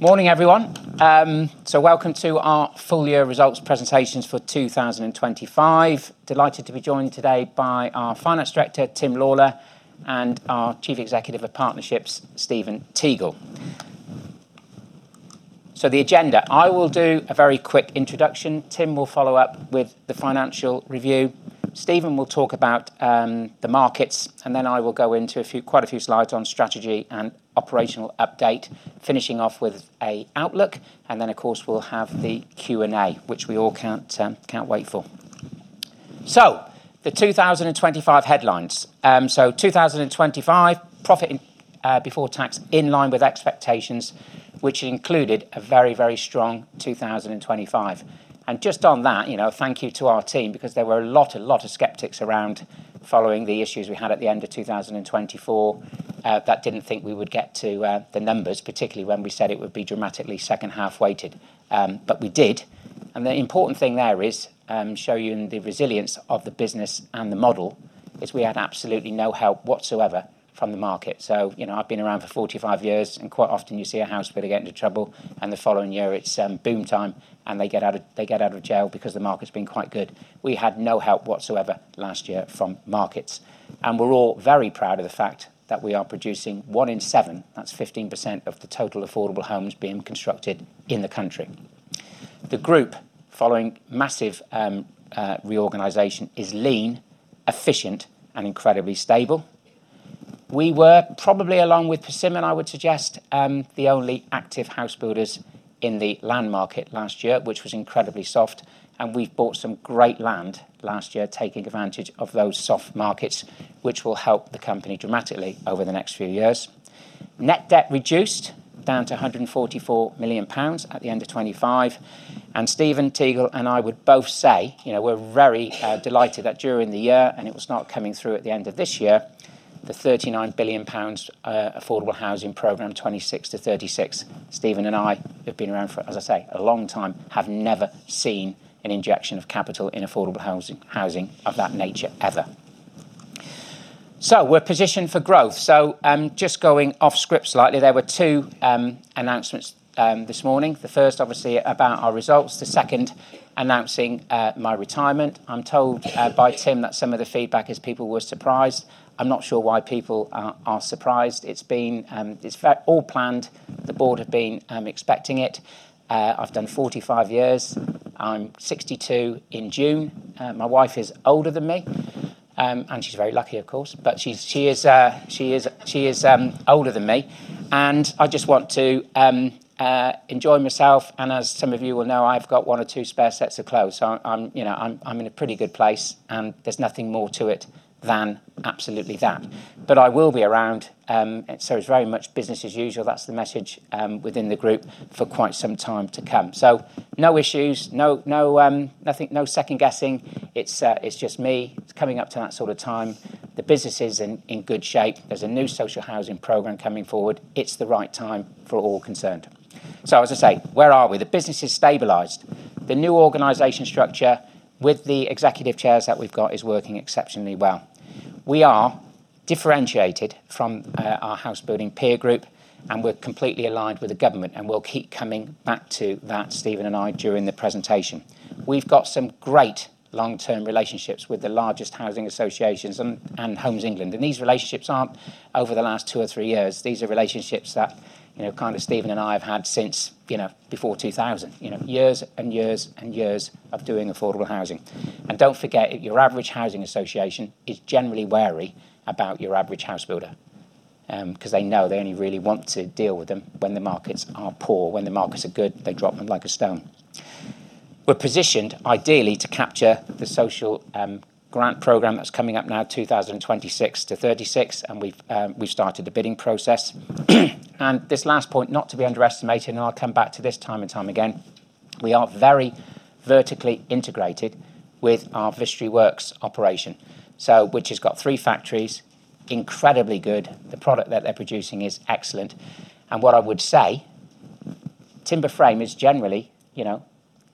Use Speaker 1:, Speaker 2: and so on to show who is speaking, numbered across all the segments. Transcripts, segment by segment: Speaker 1: Morning, everyone. Welcome to our full year results presentations for 2025. Delighted to be joined today by our Finance Director, Tim Lawlor, and our Chief Executive of Partnerships, Stephen Teagle. The agenda, I will do a very quick introduction. Tim will follow up with the financial review. Stephen will talk about the markets, I will go into quite a few slides on strategy and operational update, finishing off with a outlook. Of course, we'll have the Q&A, which we all can't wait for. The 2025 headlines. 2025, profit before tax in line with expectations, which included a very, very strong 2025. Just on that, you know, thank you to our team because there were a lot of skeptics around following the issues we had at the end of 2024 that didn't think we would get to the numbers, particularly when we said it would be dramatically second half weighted. We did. The important thing there is, showing the resilience of the business and the model is we had absolutely no help whatsoever from the market. You know, I've been around for 45 years, and quite often you see a house builder get into trouble, and the following year it's boom time, and they get out of jail because the market's been quite good. We had no help whatsoever last year from markets. We're all very proud of the fact that we are producing one in seven, that's 15% of the total affordable homes being constructed in the country. The group, following massive reorganization, is lean, efficient, and incredibly stable. We were probably along with Persimmon, I would suggest, the only active house builders in the land market last year, which was incredibly soft, and we've bought some great land last year, taking advantage of those soft markets, which will help the company dramatically over the next few years. Net debt reduced down to 144 million pounds at the end of 2025. Stephen Teagle and I would both say, you know, we're very delighted that during the year, and it will start coming through at the end of this year, the 39 billion pounds affordable housing program, 2026 to 2036. Stephen and I have been around for, as I say, a long time, have never seen an injection of capital in affordable housing of that nature ever. We're positioned for growth. Just going off script slightly, there were two announcements this morning. The first, obviously, about our results. The second, announcing my retirement. I'm told by Tim that some of the feedback is people were surprised. I'm not sure why people are surprised. It's been all planned. The board have been expecting it. I've done 45 years. I'm 62 in June. My wife is older than me, and she's very lucky, of course. She is older than me. I just want to enjoy myself. As some of you will know, I've got one or two spare sets of clothes. I'm, you know, I'm in a pretty good place, and there's nothing more to it than absolutely that. I will be around. It's very much business as usual. That's the message, within the group for quite some time to come. No issues, no, nothing, no second guessing. It's just me. It's coming up to that sort of time. The business is in good shape. There's a new social housing program coming forward. It's the right time for all concerned. As I say, where are we? The business is stabilized. The new organization structure with the executive chairs that we've got is working exceptionally well. We are differentiated from our house building peer group, and we're completely aligned with the government, and we'll keep coming back to that, Stephen and I, during the presentation. We've got some great long-term relationships with the largest housing associations and Homes England. These relationships aren't over the last two or three years. These are relationships that, you know, kind of Stephen and I have had since, you know, before 2000. You know, years, and years, and years of doing affordable housing. Don't forget, your average housing association is generally wary about your average house builder. 'cause they know they only really want to deal with them when the markets are poor. When the markets are good, they drop them like a stone. We're positioned ideally to capture the social grant program that's coming up now, 2026-2036, and we've started the bidding process. This last point, not to be underestimated, and I'll come back to this time and time again, we are very vertically integrated with our Vistry Works operation. Which has got 3 factories, incredibly good. The product that they're producing is excellent. What I would say, timber frame is generally, you know,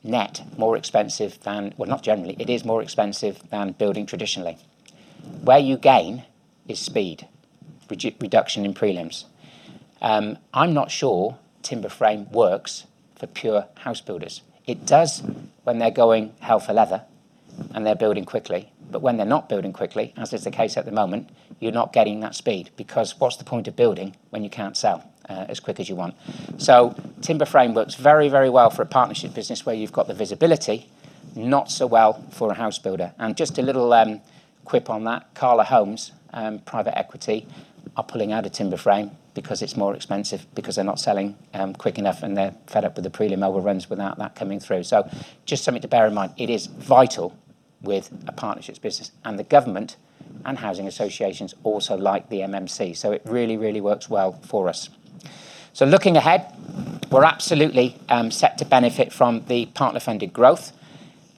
Speaker 1: net more expensive than not generally, it is more expensive than building traditionally. Where you gain is speed, reduction in prelims. I'm not sure timber frame works for pure house builders. It does when they're going hell for leather and they're building quickly. When they're not building quickly, as is the case at the moment, you're not getting that speed because what's the point of building when you can't sell, as quick as you want? Timber frame works very, very well for a partnership business where you've got the visibility, not so well for a house builder. Just a little quip on that, Cala Homes, private equity are pulling out of timber frame because it's more expensive, because they're not selling quick enough, and they're fed up with the prelim overruns without that coming through. Just something to bear in mind, it is vital with a partnerships business. The government and housing associations also like the MMC, so it really, really works well for us. Looking ahead, we're absolutely set to benefit from the partner-funded growth.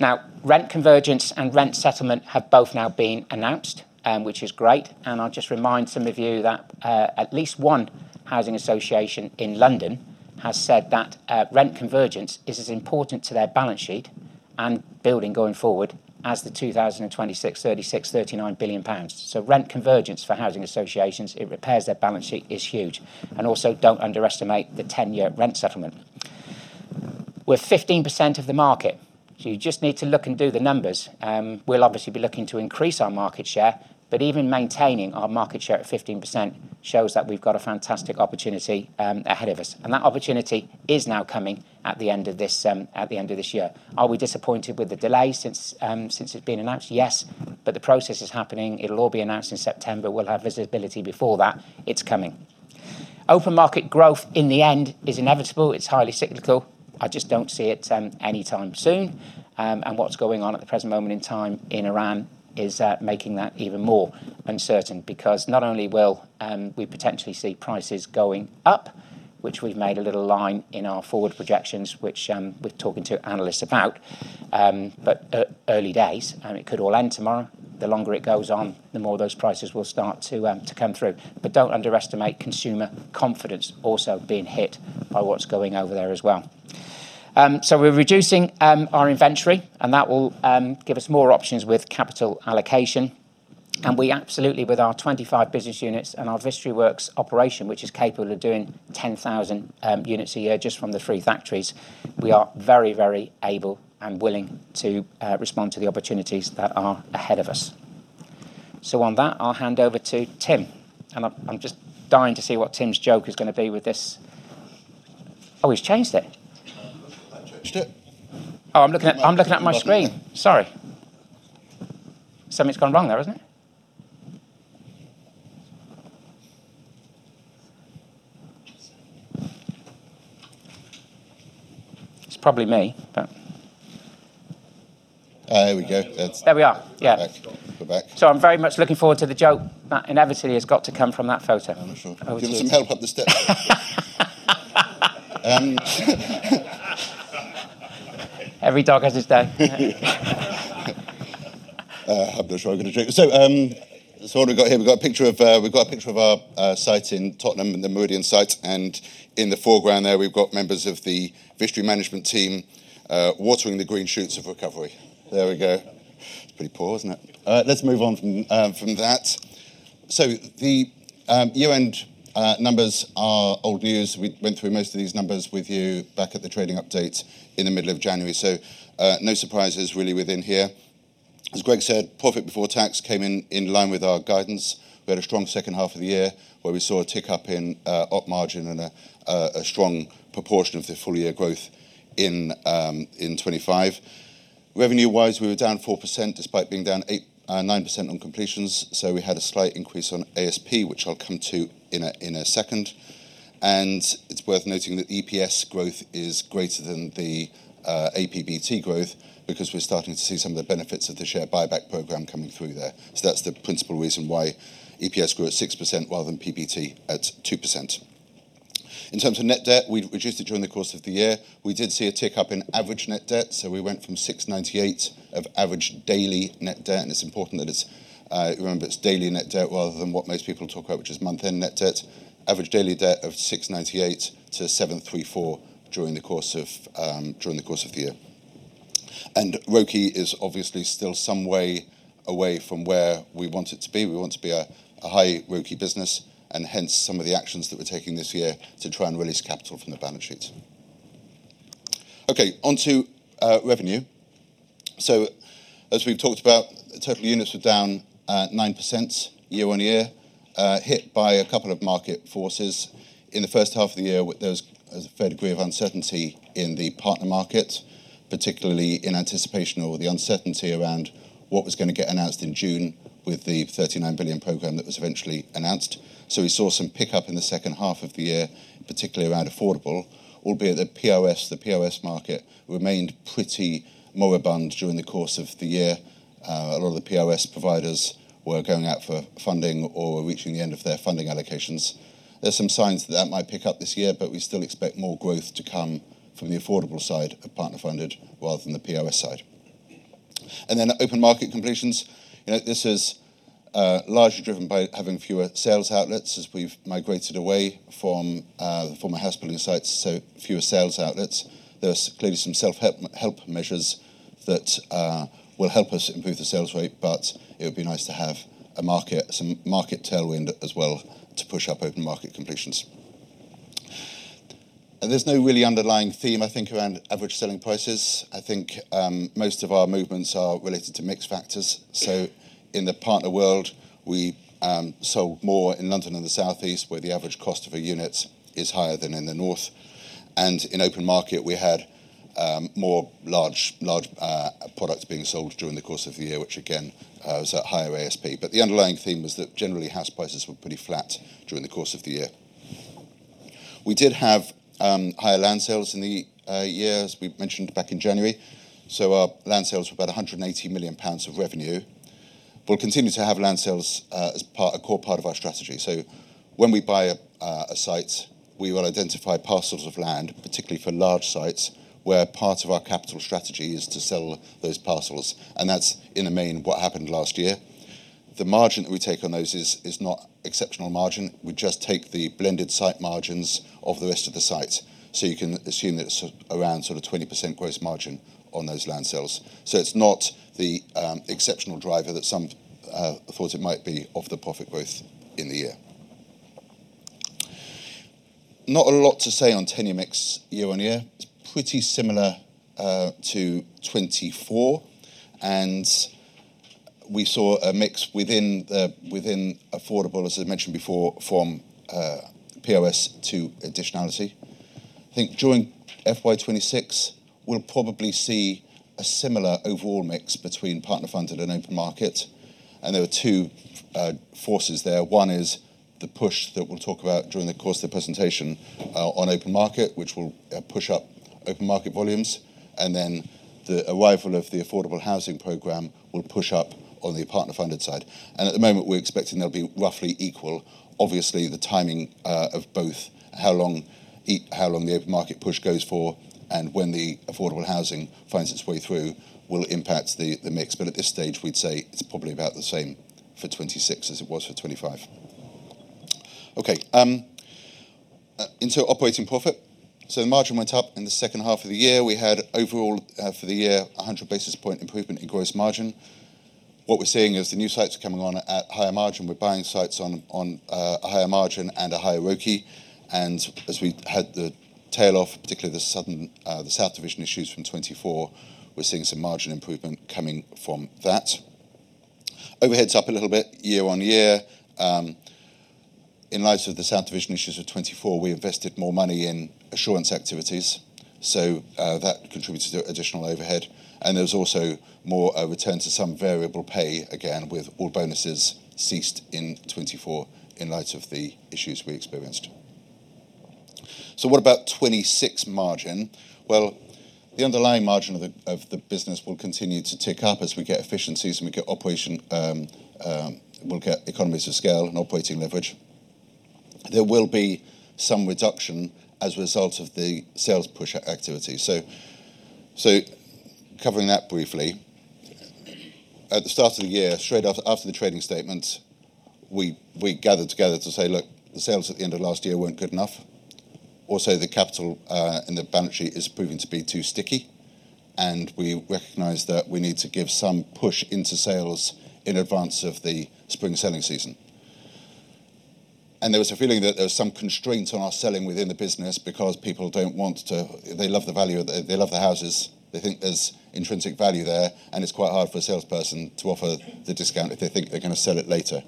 Speaker 1: Rent convergence and rent settlement have both now been announced, which is great. I'll just remind some of you that at least one housing association in London has said that rent convergence is as important to their balance sheetAnd building going forward as the 2,026 billion pounds, 36 billion, 39 billion pounds. Rent convergence for housing associations, it repairs their balance sheet is huge, and also don't underestimate the 10-year rent settlement. We're 15% of the market. You just need to look and do the numbers. We'll obviously be looking to increase our market share, but even maintaining our market share at 15% shows that we've got a fantastic opportunity ahead of us. That opportunity is now coming at the end of this at the end of this year. Are we disappointed with the delay since it's been announced? Yes, but the process is happening. It'll all be announced in September. We'll have visibility before that. It's coming. Open market growth in the end is inevitable. It's highly cyclical. I just don't see it, anytime soon. What's going on at the present moment in time in Iran is making that even more uncertain because not only will we potentially see prices going up, which we've made a little line in our forward projections, which we're talking to analysts about, but early days, and it could all end tomorrow. The longer it goes on, the more those prices will start to come through. Don't underestimate consumer confidence also being hit by what's going over there as well. We're reducing our inventory, and that will give us more options with capital allocation. We absolutely, with our 25 business units and our Vistry Works operation, which is capable of doing 10,000 units a year just from the three factories, we are very, very able and willing to respond to the opportunities that are ahead of us. On that, I'll hand over to Tim. I'm just dying to see what Tim's joke is gonna be with this. Oh, he's changed it.
Speaker 2: I changed it.
Speaker 1: Oh, I'm looking at my screen. Sorry. Something's gone wrong there, isn't it? It's probably me, but.
Speaker 2: Here we go.
Speaker 1: There we are. Yeah.
Speaker 2: We're back. We're back.
Speaker 1: I'm very much looking forward to the joke that inevitably has got to come from that photo.
Speaker 2: I'm not sure. Do you want me to tell it up the step ladder?
Speaker 1: Every dog has his day.
Speaker 2: I'm not sure I'm gonna drink. What we've got here, we've got a picture of, we've got a picture of our site in Tottenham, the Meridian site. In the foreground there, we've got members of the Vistry management team, watering the green shoots of recovery. There we go. It's pretty poor, isn't it? Let's move on from that. The year-end numbers are old news. We went through most of these numbers with you back at the trading update in the middle of January. No surprises really within here. As Greg said, profit before tax came in in line with our guidance. We had a strong second half of the year, where we saw a tick up in Op margin and a strong proportion of the full year growth in 25. Revenue-wise, we were down 4% despite being down 8%, 9% on completions. We had a slight increase on ASP, which I'll come to in a second. It's worth noting that EPS growth is greater than the APBT growth because we're starting to see some of the benefits of the share buyback program coming through there. That's the principal reason why EPS grew at 6% rather than PBT at 2%. In terms of net debt, we reduced it during the course of the year. We did see a tick up in average net debt. We went from 698 of average daily net debt, and it's important that it's, remember it's daily net debt rather than what most people talk about, which is month-end net debt. Average daily debt of 698 to 734 during the course of the year. ROCE is obviously still some way away from where we want it to be. We want to be a high ROCE business, and hence some of the actions that we're taking this year to try and release capital from the balance sheet. On to revenue. As we've talked about, total units were down 9% year-on-year, hit by a couple of market forces. In the first half of the year, there was a fair degree of uncertainty in the partner market, particularly in anticipation or the uncertainty around what was gonna get announced in June with the 39 billion program that was eventually announced. We saw some pickup in the second half of the year, particularly around affordable. Albeit the POS market remained pretty moribund during the course of the year. A lot of the POS providers were going out for funding or reaching the end of their funding allocations. There's some signs that that might pick up this year, we still expect more growth to come from the affordable side of partner funded rather than the POS side. Open market completions. You know, this is largely driven by having fewer sales outlets as we've migrated away from the former house building sites, so fewer sales outlets. There's clearly some self-help measures that will help us improve the sales rate, but it would be nice to have a market, some market tailwind as well to push up open market completions. There's no really underlying theme, I think, around average selling prices. Most of our movements are related to mix factors. In the partner world, we sold more in London and the South East, where the average cost of a unit is higher than in the North. In open market, we had more large products being sold during the course of the year, which again, was at higher ASP. The underlying theme was that generally house prices were pretty flat during the course of the year. We did have higher land sales in the year, as we mentioned back in January. Our land sales were about 180 million pounds of revenue. We'll continue to have land sales as part, a core part of our strategy. When we buy a site, we will identify parcels of land, particularly for large sites, where part of our capital strategy is to sell those parcels. That's in the main what happened last year. The margin that we take on those is not exceptional margin. We just take the blended site margins of the rest of the site. You can assume that it's around sort of 20% gross margin on those land sales. It's not the exceptional driver that some thought it might be of the profit growth in the year. Not a lot to say on tenure mix year-on-year. It's pretty similar to 24. We saw a mix within the, within affordable, as I mentioned before, from POS to additionality. I think during FY 2026, we'll probably see a similar overall mix between partner-funded and open market, and there are two forces there. One is the push that we'll talk about during the course of the presentation on open market, which will push up open market volumes. The arrival of the Affordable Housing program will push up on the partner-funded side. At the moment, we're expecting they'll be roughly equal. Obviously, the timing of both how long the open market push goes for and when the affordable housing finds its way through will impact the mix. At this stage, we'd say it's probably about the same for 26 as it was for 25. Okay, into operating profit. The margin went up in the second half of the year. We had overall, for the year, a 100 basis point improvement in gross margin. What we're seeing is the new sites coming on at higher margin. We're buying sites on higher margin and a higher ROCE. As we had the tail off, particularly the southern, the south division issues from 24, we're seeing some margin improvement coming from that. Overhead's up a little bit year-on-year. In light of the south division issues of 2024, we invested more money in assurance activities. That contributed to additional overhead, and there was also a return to some variable pay, again, with all bonuses ceased in 2024 in light of the issues we experienced. What about 2026 margin? Well, the underlying margin of the business will continue to tick up as we get efficiencies and we get economies of scale and operating leverage. There will be some reduction as a result of the sales push activity. Covering that briefly. At the start of the year, straight after the trading statement, we gathered together to say, "Look, the sales at the end of last year weren't good enough." Also, the capital and the balance sheet is proving to be too sticky, and we recognize that we need to give some push into sales in advance of the spring selling season. There was a feeling that there was some constraints on our selling within the business because people don't want to... They love the houses. They think there's intrinsic value there, and it's quite hard for a salesperson to offer the discount if they think they're gonna sell it later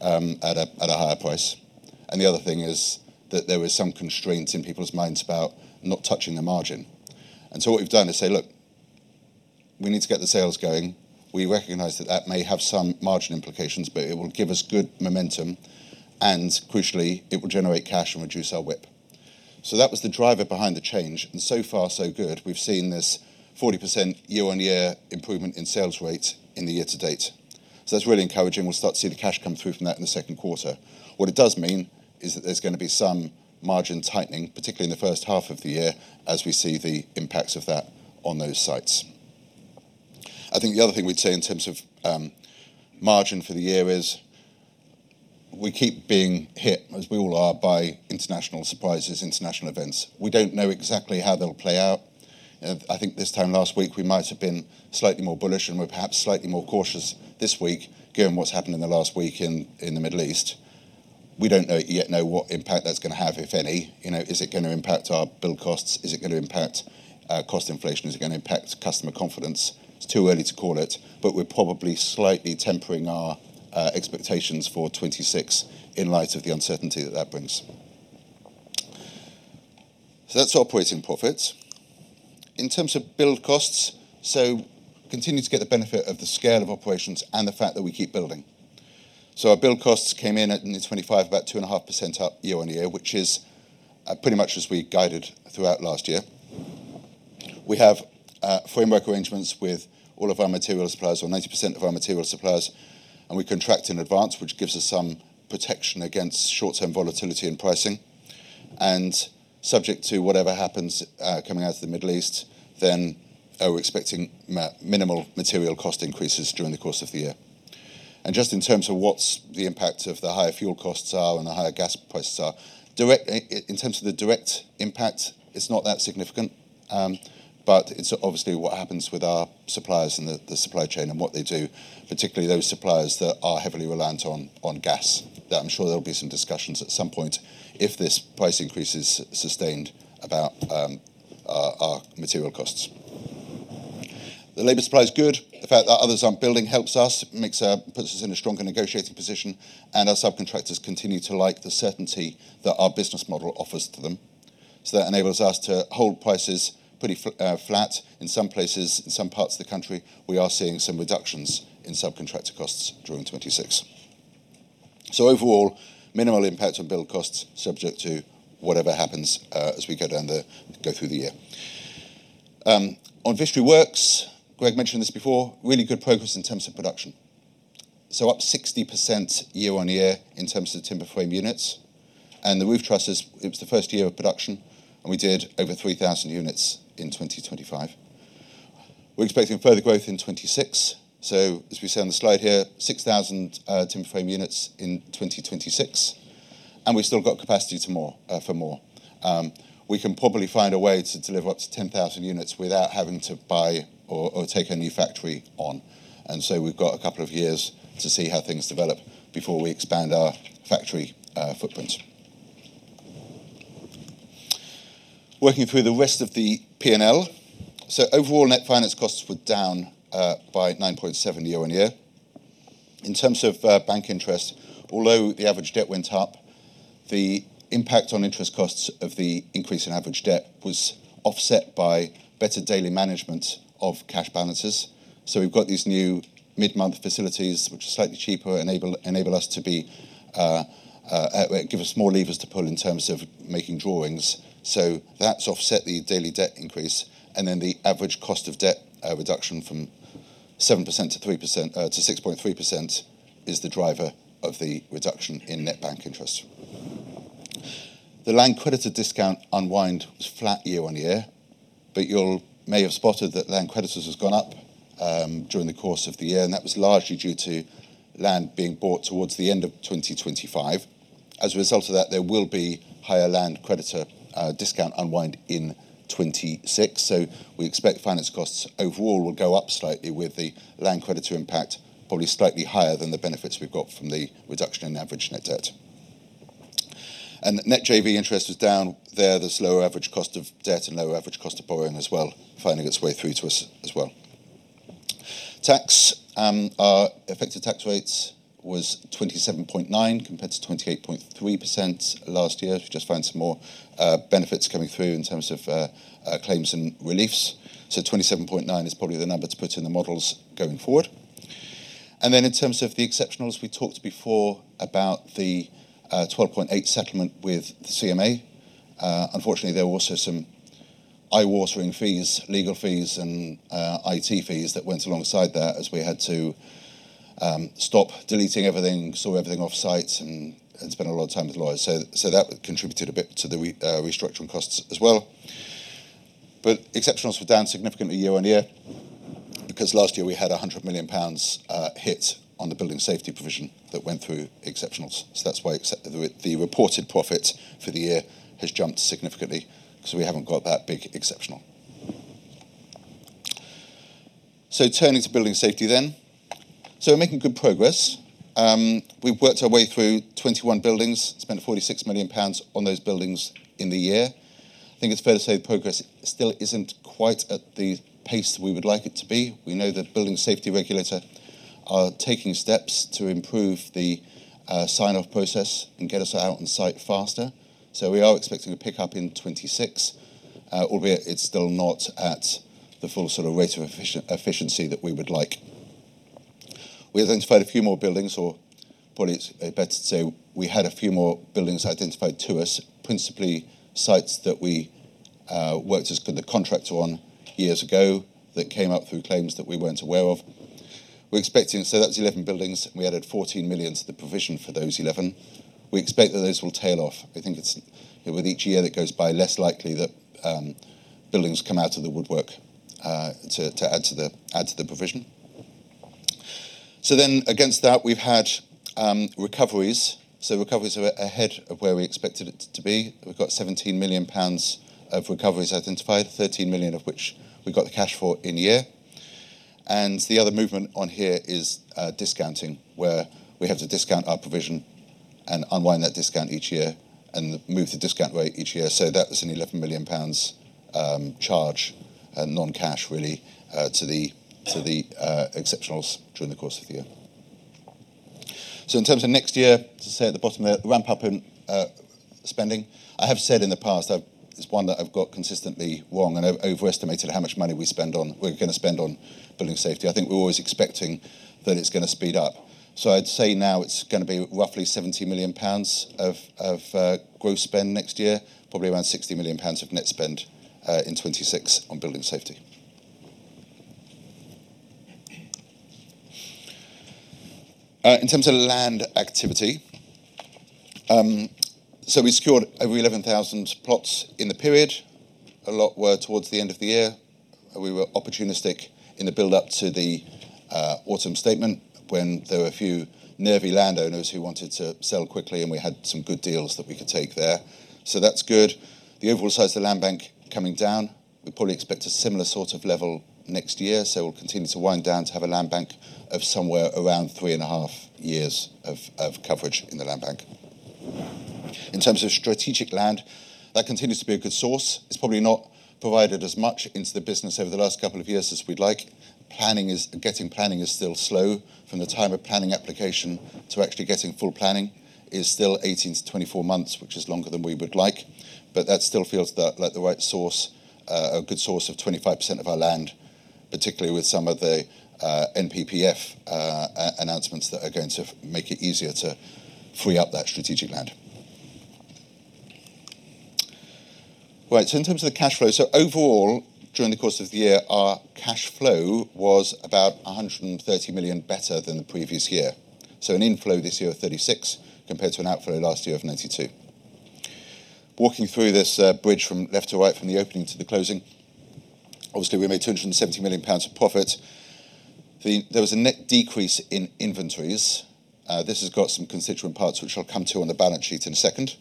Speaker 2: at a higher price. The other thing is that there was some constraints in people's minds about not touching the margin. What we've done is say, "Look, we need to get the sales going. We recognize that that may have some margin implications, but it will give us good momentum, and crucially, it will generate cash and reduce our WIP." That was the driver behind the change, and so far, so good. We've seen this 40% year-on-year improvement in sales rate in the year-to-date. That's really encouraging. We'll start to see the cash come through from that in the second quarter. What it does mean is that there's gonna be some margin tightening, particularly in the first half of the year, as we see the impacts of that on those sites. I think the other thing we'd say in terms of margin for the year is we keep being hit, as we all are, by international surprises, international events. We don't know exactly how they'll play out. I think this time last week, we might have been slightly more bullish, and we're perhaps slightly more cautious this week given what's happened in the last week in the Middle East. We don't yet know what impact that's gonna have, if any. You know, is it gonna impact our build costs? Is it gonna impact our cost inflation? Is it gonna impact customer confidence? It's too early to call it, but we're probably slightly tempering our expectations for 2026 in light of the uncertainty that that brings. That's operating profit. In terms of build costs, so continue to get the benefit of the scale of operations and the fact that we keep building. Our build costs came in at, in 25, about 2.5% up year-over-year, which is pretty much as we guided throughout last year. We have framework arrangements with all of our material suppliers or 90% of our material suppliers, and we contract in advance, which gives us some protection against short-term volatility in pricing. Subject to whatever happens coming out of the Middle East, then we're expecting minimal material cost increases during the course of the year. Just in terms of what's the impact of the higher fuel costs are and the higher gas prices are, in terms of the direct impact, it's not that significant. It's obviously what happens with our suppliers and the supply chain and what they do, particularly those suppliers that are heavily reliant on gas. I'm sure there'll be some discussions at some point if this price increase is sustained about our material costs. The labor supply is good. The fact that others aren't building helps us. Puts us in a stronger negotiating position, our subcontractors continue to like the certainty that our business model offers to them. That enables us to hold prices pretty flat. In some places, in some parts of the country, we are seeing some reductions in subcontractor costs during 26. Overall, minimal impact on build costs subject to whatever happens as we go through the year. On Vistry Works, Greg mentioned this before, really good progress in terms of production. Up 60% year-on-year in terms of timber frame units. The roof trusses, it was the first year of production, and we did over 3,000 units in 2025. We're expecting further growth in 2026. As we see on the slide here, 6,000 timber frame units in 2026, and we've still got capacity for more. We can probably find a way to deliver up to 10,000 units without having to buy or take a new factory on. We've got a couple of years to see how things develop before we expand our factory footprint. Working through the rest of the P&L. Overall net finance costs were down by 9.7% year-on-year. In terms of bank interest, although the average debt went up, the impact on interest costs of the increase in average debt was offset by better daily management of cash balances. We've got these new mid-month facilities, which are slightly cheaper. Give us more levers to pull in terms of making drawings. That's offset the daily debt increase, and then the average cost of debt reduction from 7% to 3% to 6.3% is the driver of the reduction in net bank interest. The land creditor discount unwind was flat year-on-year, but you'll may have spotted that land creditors has gone up during the course of the year, and that was largely due to land being bought towards the end of 2025. As a result of that, there will be higher land creditor discount unwind in 2026. We expect finance costs overall will go up slightly with the land creditor impact, probably slightly higher than the benefits we've got from the reduction in average net debt. Net JV interest was down there. There's lower average cost of debt and lower average cost of borrowing as well, finding its way through to us as well. Tax, our effective tax rates was 27.9% compared to 28.3% last year. We just found some more benefits coming through in terms of claims and reliefs. 27.9% is probably the number to put in the models going forward. In terms of the exceptionals, we talked before about the 12.8 settlement with the CMA. Unfortunately, there were also some eye-watering fees, legal fees and IT fees that went alongside that as we had to stop deleting everything, store everything offsite and spend a lot of time with lawyers. That contributed a bit to the restructuring costs as well. Exceptionals were down significantly year-on-year because last year we had a 100 million pounds hit on the building safety provision that went through exceptionals. That's why the reported profit for the year has jumped significantly, so we haven't got that big exceptional. Turning to building safety then. We're making good progress. We've worked our way through 21 buildings, spent 46 million pounds on those buildings in the year. I think it's fair to say the progress still isn't quite at the pace we would like it to be. We know that Building Safety Regulator are taking steps to improve the sign-off process and get us out on site faster. We are expecting a pickup in 2026, albeit it's still not at the full sort of rate of efficiency that we would like. We identified a few more buildings, or probably it's better to say we had a few more buildings identified to us, principally sites that we worked as the contractor on years ago that came up through claims that we weren't aware of. We're expecting, that's 11 buildings. We added 14 million to the provision for those 11. We expect that those will tail off. I think it's, with each year that goes by, less likely that buildings come out of the woodwork to add to the provision. Against that, we've had recoveries. recoveries are ahead of where we expected it to be. We've got 17 million pounds of recoveries identified, 13 million of which we got the cash for in year. The other movement on here is discounting, where we have to discount our provision and unwind that discount each year and move the discount rate each year. That was a 11 million pounds charge and non-cash really to the exceptionals during the course of the year. In terms of next year, to say at the bottom there, ramp up in spending. I have said in the past, it's one that I've got consistently wrong and I've overestimated how much money we're gonna spend on building safety. I think we're always expecting that it's gonna speed up. I'd say now it's gonna be roughly 70 million pounds of gross spend next year, probably around 60 million pounds of net spend in 2026 on building safety. In terms of land activity, so we secured over 11,000 plots in the period. A lot were towards the end of the year. We were opportunistic in the build up to the Autumn Statement when there were a few nervy landowners who wanted to sell quickly, and we had some good deals that we could take there. That's good. The overall size of the land bank coming down, we probably expect a similar sort of level next year. We'll continue to wind down to have a land bank of somewhere around three and a half years of coverage in the land bank. In terms of strategic land, that continues to be a good source. It's probably not provided as much into the business over the last couple of years as we'd like. Getting planning is still slow. From the time of planning application to actually getting full planning is still 18-24 months, which is longer than we would like. That still feels like the right source, a good source of 25% of our land, particularly with some of the NPPF announcements that are going to make it easier to free up that strategic land. In terms of the cash flow, overall, during the course of the year, our cash flow was about 130 million better than the previous year. An inflow this year of 36 million compared to an outflow last year of 92 million. Walking through this bridge from left to right, from the opening to the closing, obviously, we made 270 million pounds of profit. There was a net decrease in inventories. This has got some constituent parts which I'll come to on the balance sheet in a second.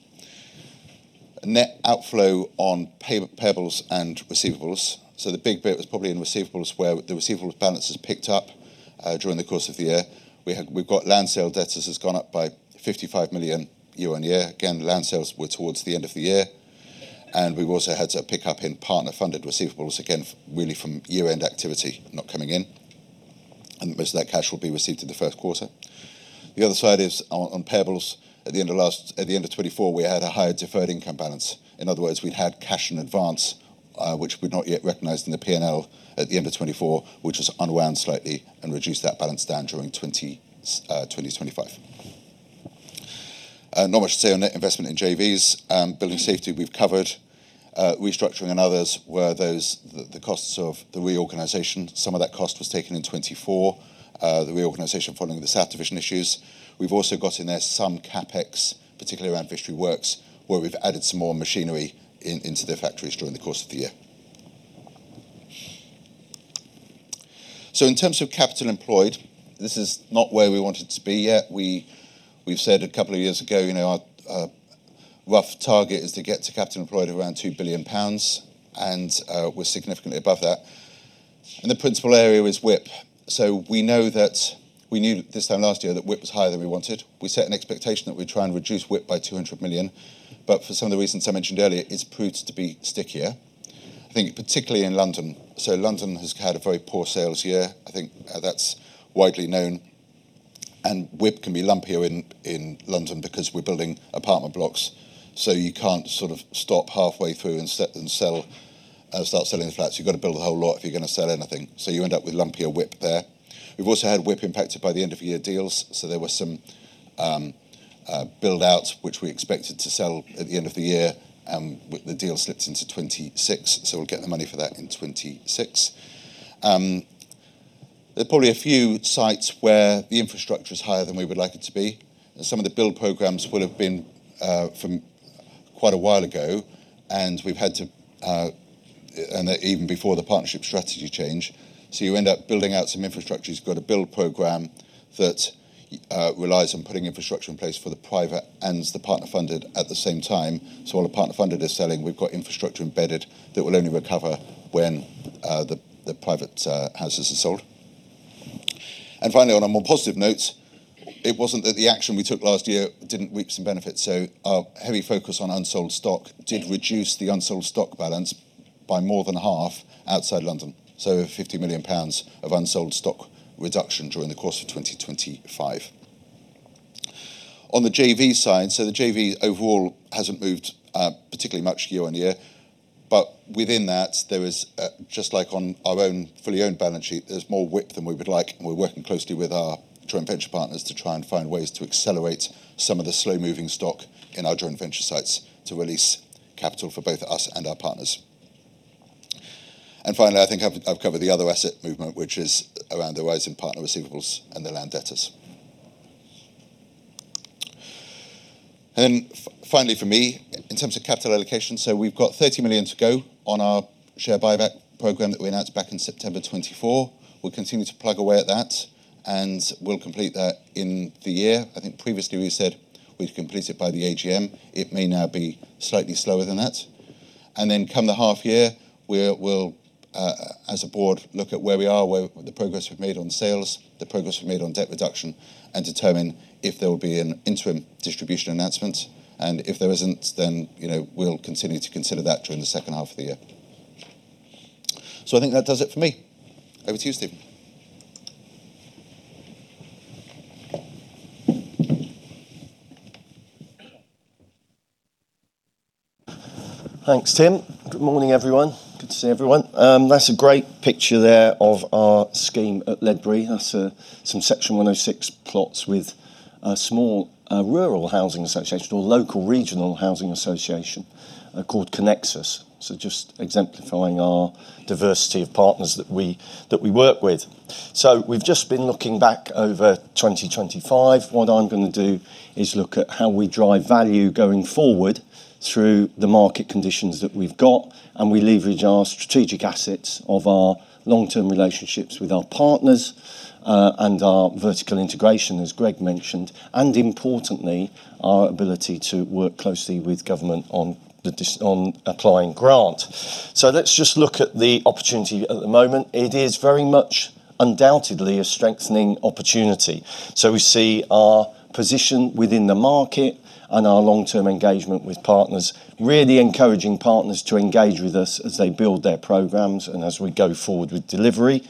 Speaker 2: A net outflow on payables and receivables. The big bit was probably in receivables, where the receivables balances picked up during the course of the year. We've got land sale debtors has gone up by 55 million year-on-year. Again, land sales were towards the end of the year. We've also had a pickup in partner funded receivables, again, really from year-end activity not coming in. Most of that cash will be received in the first quarter. The other side is on payables. At the end of 2024, we had a higher deferred income balance. In other words, we'd had cash in advance, which we'd not yet recognized in the P&L at the end of 2024, which has unwound slightly and reduced that balance down during 2025. Not much to say on net investment in JVs. Building safety, we've covered. Restructuring and others were those, the costs of the reorganization. Some of that cost was taken in 2024, the reorganization following the South Division issues. We've also got in there some CapEx, particularly around Vistry Works, where we've added some more machinery into their factories during the course of the year. In terms of capital employed, this is not where we want it to be yet. We've said a couple of years ago, you know, our rough target is to get to capital employed around 2 billion pounds, and we're significantly above that. The principal area is WIP. We knew this time last year that WIP was higher than we wanted. We set an expectation that we'd try and reduce WIP by 200 million. For some of the reasons I mentioned earlier, it's proved to be stickier. I think particularly in London. London has had a very poor sales year. I think that's widely known. WIP can be lumpier in London because we're building apartment blocks, so you can't sort of stop halfway through and sell, start selling the flats. You've got to build a whole lot if you're gonna sell anything, so you end up with lumpier WIP there. We've also had WIP impacted by the end of year deals, so there was some build-outs which we expected to sell at the end of the year, and the deal slipped into 2026, so we'll get the money for that in 2026. There are probably a few sites where the infrastructure is higher than we would like it to be. Some of the build programs will have been from quite a while ago, and we've had to. Even before the partnership strategy change. You end up building out some infrastructure. You's got a build program that relies on putting infrastructure in place for the private and the partner funded at the same time. While the partner funded is selling, we've got infrastructure embedded that will only recover when the private houses are sold. Finally, on a more positive note, it wasn't that the action we took last year didn't reap some benefits. Our heavy focus on unsold stock did reduce the unsold stock balance by more than half outside London. 50 million pounds of unsold stock reduction during the course of 2025. On the JV side, the JV overall hasn't moved particularly much year-on-year. Within that, there is, just like on our own fully owned balance sheet, there's more WIP than we would like. We're working closely with our joint venture partners to try and find ways to accelerate some of the slow-moving stock in our joint venture sites to release capital for both us and our partners. Finally, I think I've covered the other asset movement, which is around the rise in partner receivables and the land debtors. Finally for me, in terms of capital allocation. We've got 30 million to go on our share buyback program that we announced back in September 2024. We'll continue to plug away at that, and we'll complete that in the year. I think previously we said we'd complete it by the AGM. It may now be slightly slower than that. Then come the half year, we're, we'll, as a board, look at where we are, where the progress we've made on sales, the progress we've made on debt reduction, and determine if there will be an interim distribution announcement. If there isn't, then, you know, we'll continue to consider that during the second half of the year. I think that does it for me. Over to you, Steve.
Speaker 3: Thanks, Tim Lawlor. Good morning, everyone. Good to see everyone. That's a great picture there of our scheme at Ledbury. That's some Section 106 plots with a small rural housing association or local regional housing association called Connexus. Just exemplifying our diversity of partners that we work with. We've just been looking back over 2025. What I'm gonna do is look at how we drive value going forward through the market conditions that we've got, and we leverage our strategic assets of our long-term relationships with our partners, and our vertical integration, as Greg mentioned, and importantly, our ability to work closely with government on applying grant. Let's just look at the opportunity at the moment. It is very much undoubtedly a strengthening opportunity. We see our position within the market and our long-term engagement with partners, really encouraging partners to engage with us as they build their programs and as we go forward with delivery.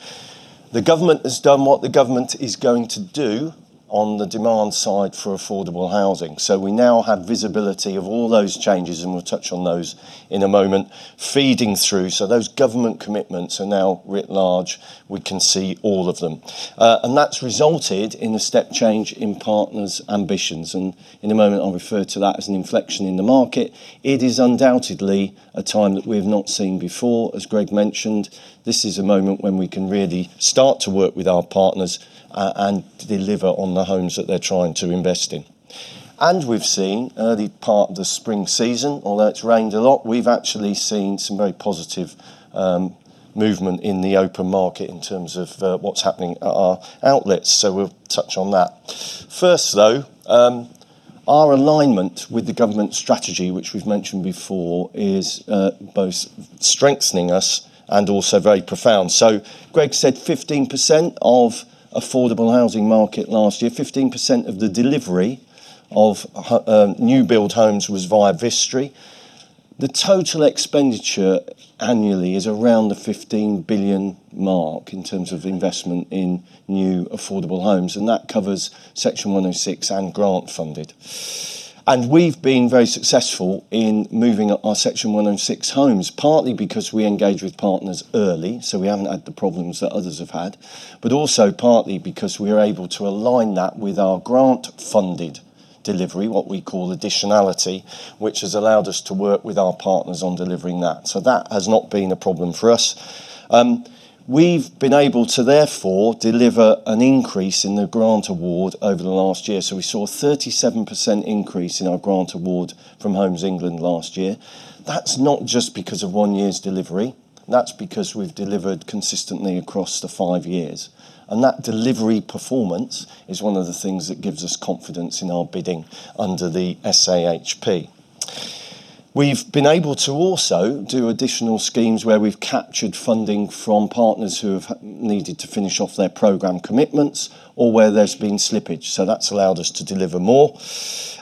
Speaker 3: The government has done what the government is going to do on the demand side for affordable housing. We now have visibility of all those changes, and we'll touch on those in a moment, feeding through. Those government commitments are now writ large. We can see all of them. And that's resulted in a step change in partners' ambitions, and in a moment, I'll refer to that as an inflection in the market. It is undoubtedly a time that we have not seen before, as Greg mentioned. This is a moment when we can really start to work with our partners, and deliver on the homes that they're trying to invest in. We've seen early part of the spring season, although it's rained a lot, we've actually seen some very positive Movement in the open market in terms of what's happening at our outlets, so we'll touch on that. First though, our alignment with the government strategy, which we've mentioned before, is both strengthening us and also very profound. Greg said 15% of affordable housing market last year, 15% of the delivery of new build homes was via Vistry. The total expenditure annually is around the 15 billion mark in terms of investment in new affordable homes, and that covers Section 106 and grant funded. We've been very successful in moving up our Section 106 homes, partly because we engage with partners early, we haven't had the problems that others have had, but also partly because we're able to align that with our grant funded delivery, what we call additionality, which has allowed us to work with our partners on delivering that. That has not been a problem for us. We've been able to therefore deliver an increase in the grant award over the last year. We saw a 37% increase in our grant award from Homes England last year. That's not just because of 1 year's delivery, that's because we've delivered consistently across the 5 years. That delivery performance is one of the things that gives us confidence in our bidding under the SAHP. We've been able to also do additional schemes where we've captured funding from partners who have needed to finish off their program commitments or where there's been slippage. That's allowed us to deliver more.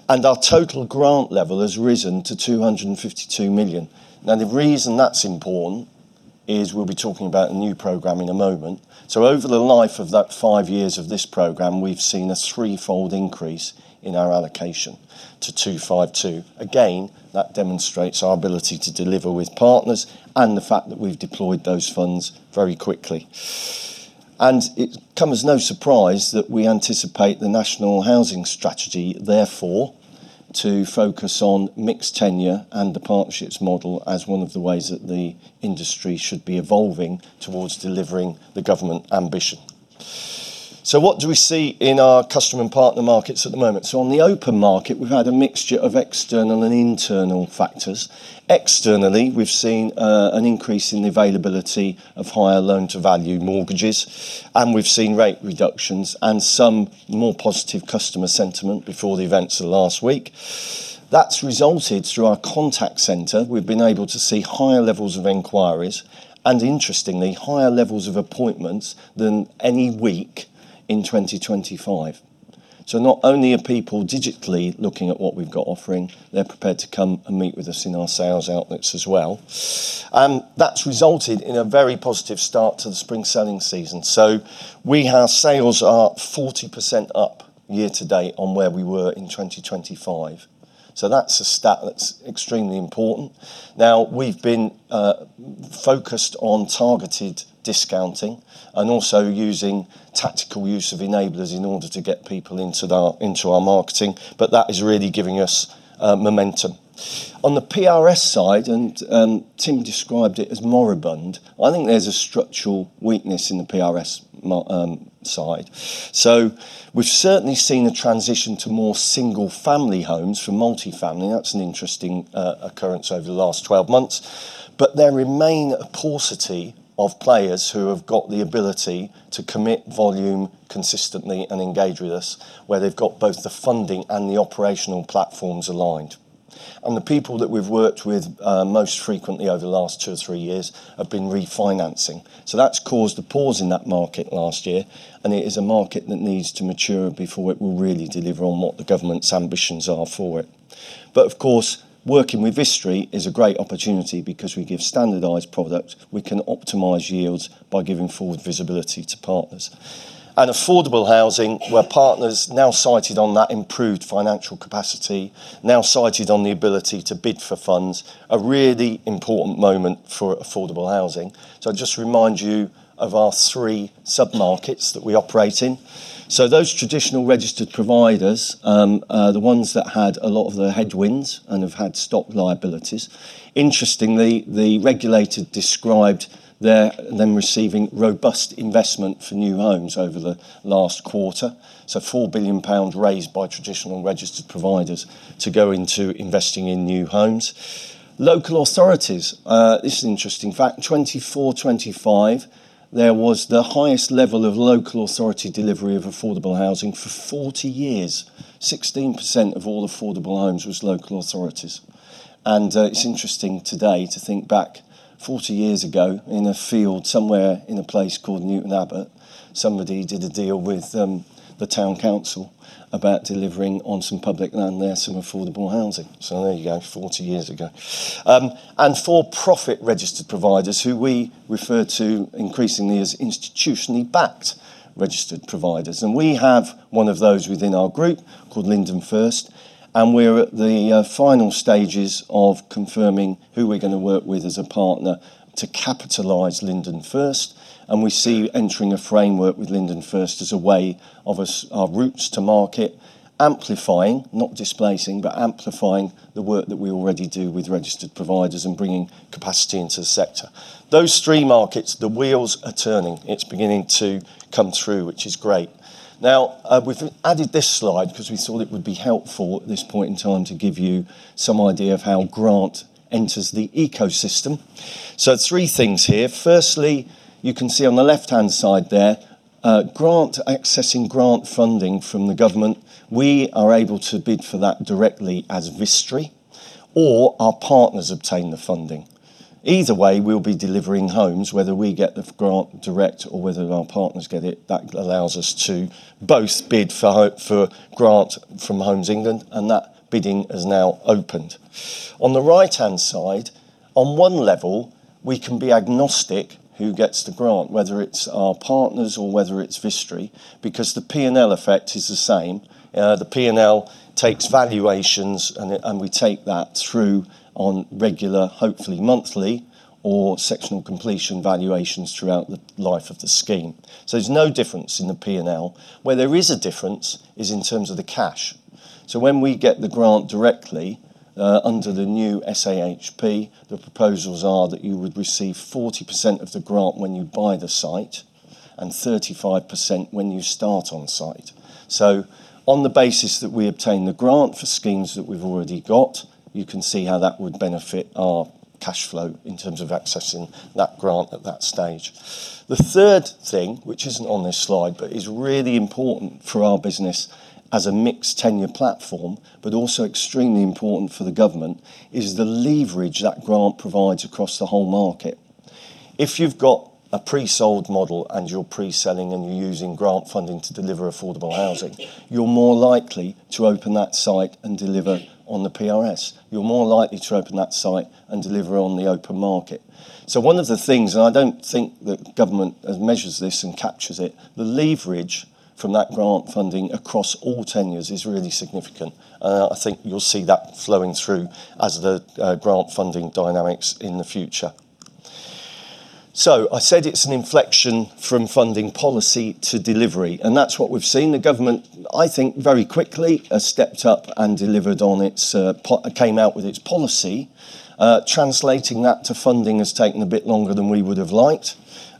Speaker 3: Our total grant level has risen to 252 million. The reason that's important is we'll be talking about a new program in a moment. Over the life of that 5 years of this program, we've seen a threefold increase in our allocation to 252 million. That demonstrates our ability to deliver with partners and the fact that we've deployed those funds very quickly. It come as no surprise that we anticipate the National Housing Strategy, therefore, to focus on mixed tenure and the partnerships model as one of the ways that the industry should be evolving towards delivering the government ambition. What do we see in our customer and partner markets at the moment? On the open market, we've had a mixture of external and internal factors. Externally, we've seen an increase in the availability of higher loan-to-value mortgages, and we've seen rate reductions and some more positive customer sentiment before the events of last week. That's resulted through our contact center. We've been able to see higher levels of inquiries and, interestingly, higher levels of appointments than any week in 2025. Not only are people digitally looking at what we've got offering, they're prepared to come and meet with us in our sales outlets as well. That's resulted in a very positive start to the spring selling season. We have sales are 40% up year to date on where we were in 2025. That's a stat that's extremely important. Now, we've been focused on targeted discounting and also using tactical use of enablers in order to get people into our marketing, but that is really giving us momentum. On the PRS side, and Tim described it as moribund, I think there's a structural weakness in the PRS side. We've certainly seen a transition to more single family homes from multifamily. That's an interesting occurrence over the last 12 months. There remain a paucity of players who have got the ability to commit volume consistently and engage with us where they've got both the funding and the operational platforms aligned. The people that we've worked with most frequently over the last 2 or 3 years have been refinancing. That's caused a pause in that market last year, and it is a market that needs to mature before it will really deliver on what the government's ambitions are for it. But of course, working with Vistry is a great opportunity because we give standardized product, we can optimize yields by giving forward visibility to partners. Affordable housing, where partners now sighted on that improved financial capacity, now sighted on the ability to bid for funds, a really important moment for affordable housing. I just remind you of our 3 sub-markets that we operate in. Those traditional registered providers are the ones that had a lot of the headwinds and have had stock liabilities. Interestingly, the regulator described them receiving robust investment for new homes over the last quarter. 4 billion pounds raised by traditional registered providers to go into investing in new homes. Local authorities, this is an interesting fact. 2025, there was the highest level of local authority delivery of affordable housing for 40 years. 16% of all affordable homes was local authorities. It's interesting today to think back 40 years ago in a field somewhere in a place called Newton Abbot, somebody did a deal with the town council about delivering on some public land there some affordable housing. There you go, 40 years ago. For-profit registered providers who we refer to increasingly as institutionally backed registered providers. We have one of those within our group called Linden First, and we're at the final stages of confirming who we're gonna work with as a partner to capitalize Linden First. We see entering a framework with Linden First as a way of our routes to market, amplifying, not displacing, but amplifying the work that we already do with registered providers and bringing capacity into the sector. Those three markets, the wheels are turning. It's beginning to come through, which is great. We've added this slide because we thought it would be helpful at this point in time to give you some idea of how grant enters the ecosystem. Three things here. Firstly, you can see on the left-hand side there, grant, accessing grant funding from the government, we are able to bid for that directly as Vistry, or our partners obtain the funding. Either way, we'll be delivering homes, whether we get the grant direct or whether our partners get it. That allows us to both bid for grant from Homes England, and that bidding has now opened. On the right-hand side, on one level, we can be agnostic who gets the grant, whether it's our partners or whether it's Vistry, because the P&L effect is the same. The P&L takes valuations and we take that through on regular, hopefully monthly, or sectional completion valuations throughout the life of the scheme. There's no difference in the P&L. Where there is a difference is in terms of the cash. When we get the grant directly, under the new SAHP, the proposals are that you would receive 40% of the grant when you buy the site and 35% when you start on site. On the basis that we obtain the grant for schemes that we've already got, you can see how that would benefit our cash flow in terms of accessing that grant at that stage. The third thing, which isn't on this slide, but is really important for our business as a mixed tenure platform, but also extremely important for the government, is the leverage that grant provides across the whole market. If you've got a pre-sold model and you're pre-selling and you're using grant funding to deliver affordable housing, you're more likely to open that site and deliver on the PRS. You're more likely to open that site and deliver on the open market. One of the things, and I don't think the government measures this and captures it, the leverage from that grant funding across all tenures is really significant. I think you'll see that flowing through as the grant funding dynamics in the future. I said it's an inflection from funding policy to delivery, that's what we've seen. The government, I think, very quickly stepped up and came out with its policy. Translating that to funding has taken a bit longer than we would have liked.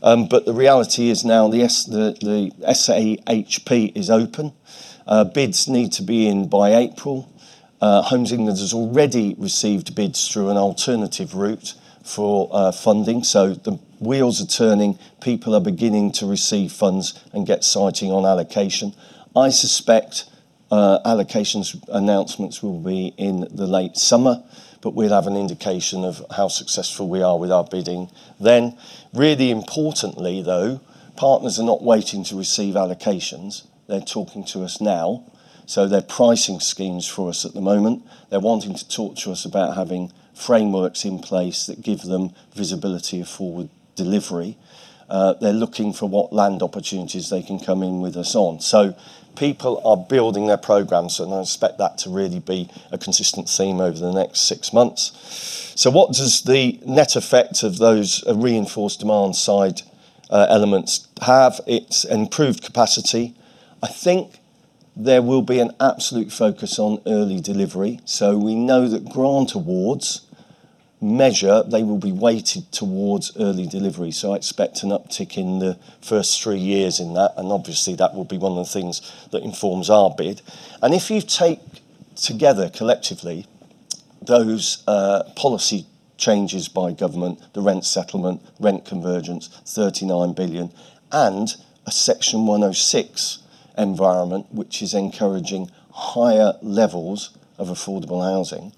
Speaker 3: The reality is now the SAHP is open. Bids need to be in by April. Homes England has already received bids through an alternative route for funding. The wheels are turning. People are beginning to receive funds and get siting on allocation. I suspect allocations announcements will be in the late summer, we'll have an indication of how successful we are with our bidding then. Really importantly, though, partners are not waiting to receive allocations. They're talking to us now. They're pricing schemes for us at the moment. They're wanting to talk to us about having frameworks in place that give them visibility for delivery. They're looking for what land opportunities they can come in with us on. People are building their programs, and I expect that to really be a consistent theme over the next six months. What does the net effect of those reinforced demand-side elements have? It's improved capacity. I think there will be an absolute focus on early delivery. We know that grant awards measure, they will be weighted towards early delivery. I expect an uptick in the first three years in that, and obviously that will be one of the things that informs our bid. If you take together collectively those policy changes by government, the rent settlement, rent convergence, 39 billion, and a Section 106 environment, which is encouraging higher levels of affordable housing,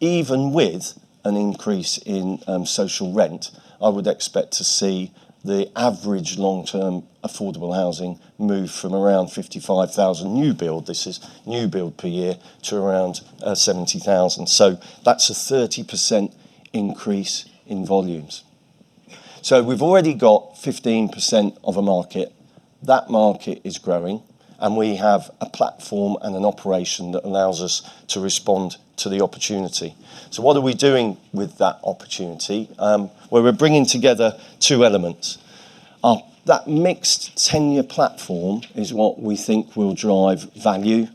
Speaker 3: even with an increase in social rent, I would expect to see the average long-term affordable housing move from around 55,000 new build, this is new build per year, to around 70,000. That's a 30% increase in volumes. We've already got 15% of a market. That market is growing, and we have a platform and an operation that allows us to respond to the opportunity. What are we doing with that opportunity? Well we're bringing together two elements. Our mixed tenure platform is what we think will drive value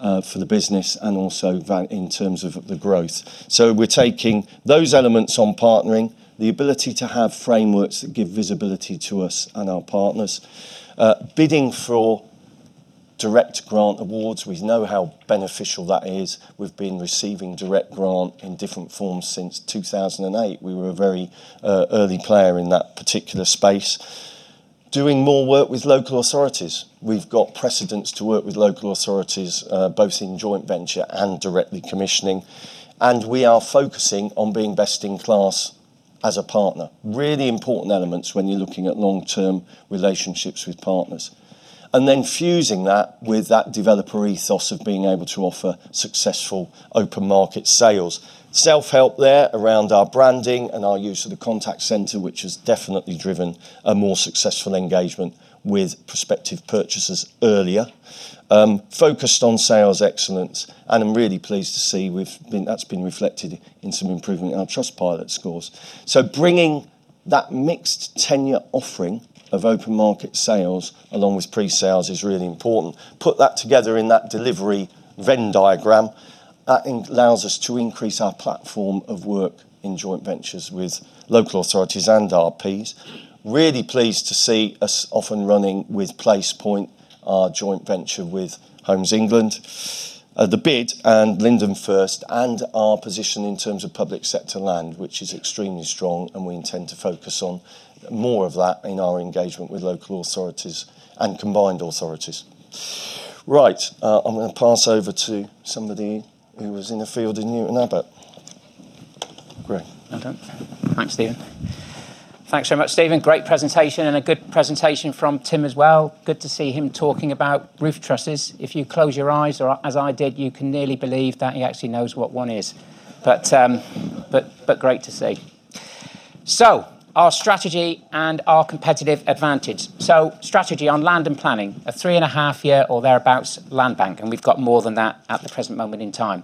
Speaker 3: for the business and also in terms of the growth. We're taking those elements on partnering, the ability to have frameworks that give visibility to us and our partners. Bidding for direct grant awards. We know how beneficial that is. We've been receiving direct grant in different forms since 2008. We were a very early player in that particular space. Doing more work with local authorities. We've got precedents to work with local authorities, both in joint venture and directly commissioning, and we are focusing on being best in class as a partner. Really important elements when you're looking at long-term relationships with partners. Fusing that with that developer ethos of being able to offer successful open market sales. Self-help there around our branding and our use of the contact center, which has definitely driven a more successful engagement with prospective purchasers earlier. Focused on sales excellence, and I'm really pleased to see that's been reflected in some improvement in our Trustpilot scores. Bringing that mixed tenure offering of open market sales along with pre-sales is really important. Put that together in that delivery Venn diagram, that allows us to increase our platform of work in joint ventures with local authorities and RPs. Really pleased to see us off and running with PlacePoint. Our joint venture with Homes England, the bid and Linden First and our position in terms of public sector land, which is extremely strong, and we intend to focus on more of that in our engagement with local authorities and combined authorities. I'm gonna pass over to somebody who was in the field in Newton Abbot. Great.
Speaker 1: Okay. Thanks, Stephen. Thanks very much, Stephen. Great presentation, and a good presentation from Tim as well. Good to see him talking about roof trusses. If you close your eyes or as I did, you can nearly believe that he actually knows what one is. Great to see. Our strategy and our competitive advantage. Strategy on land and planning. A three and a half year or thereabout land bank, and we've got more than that at the present moment in time.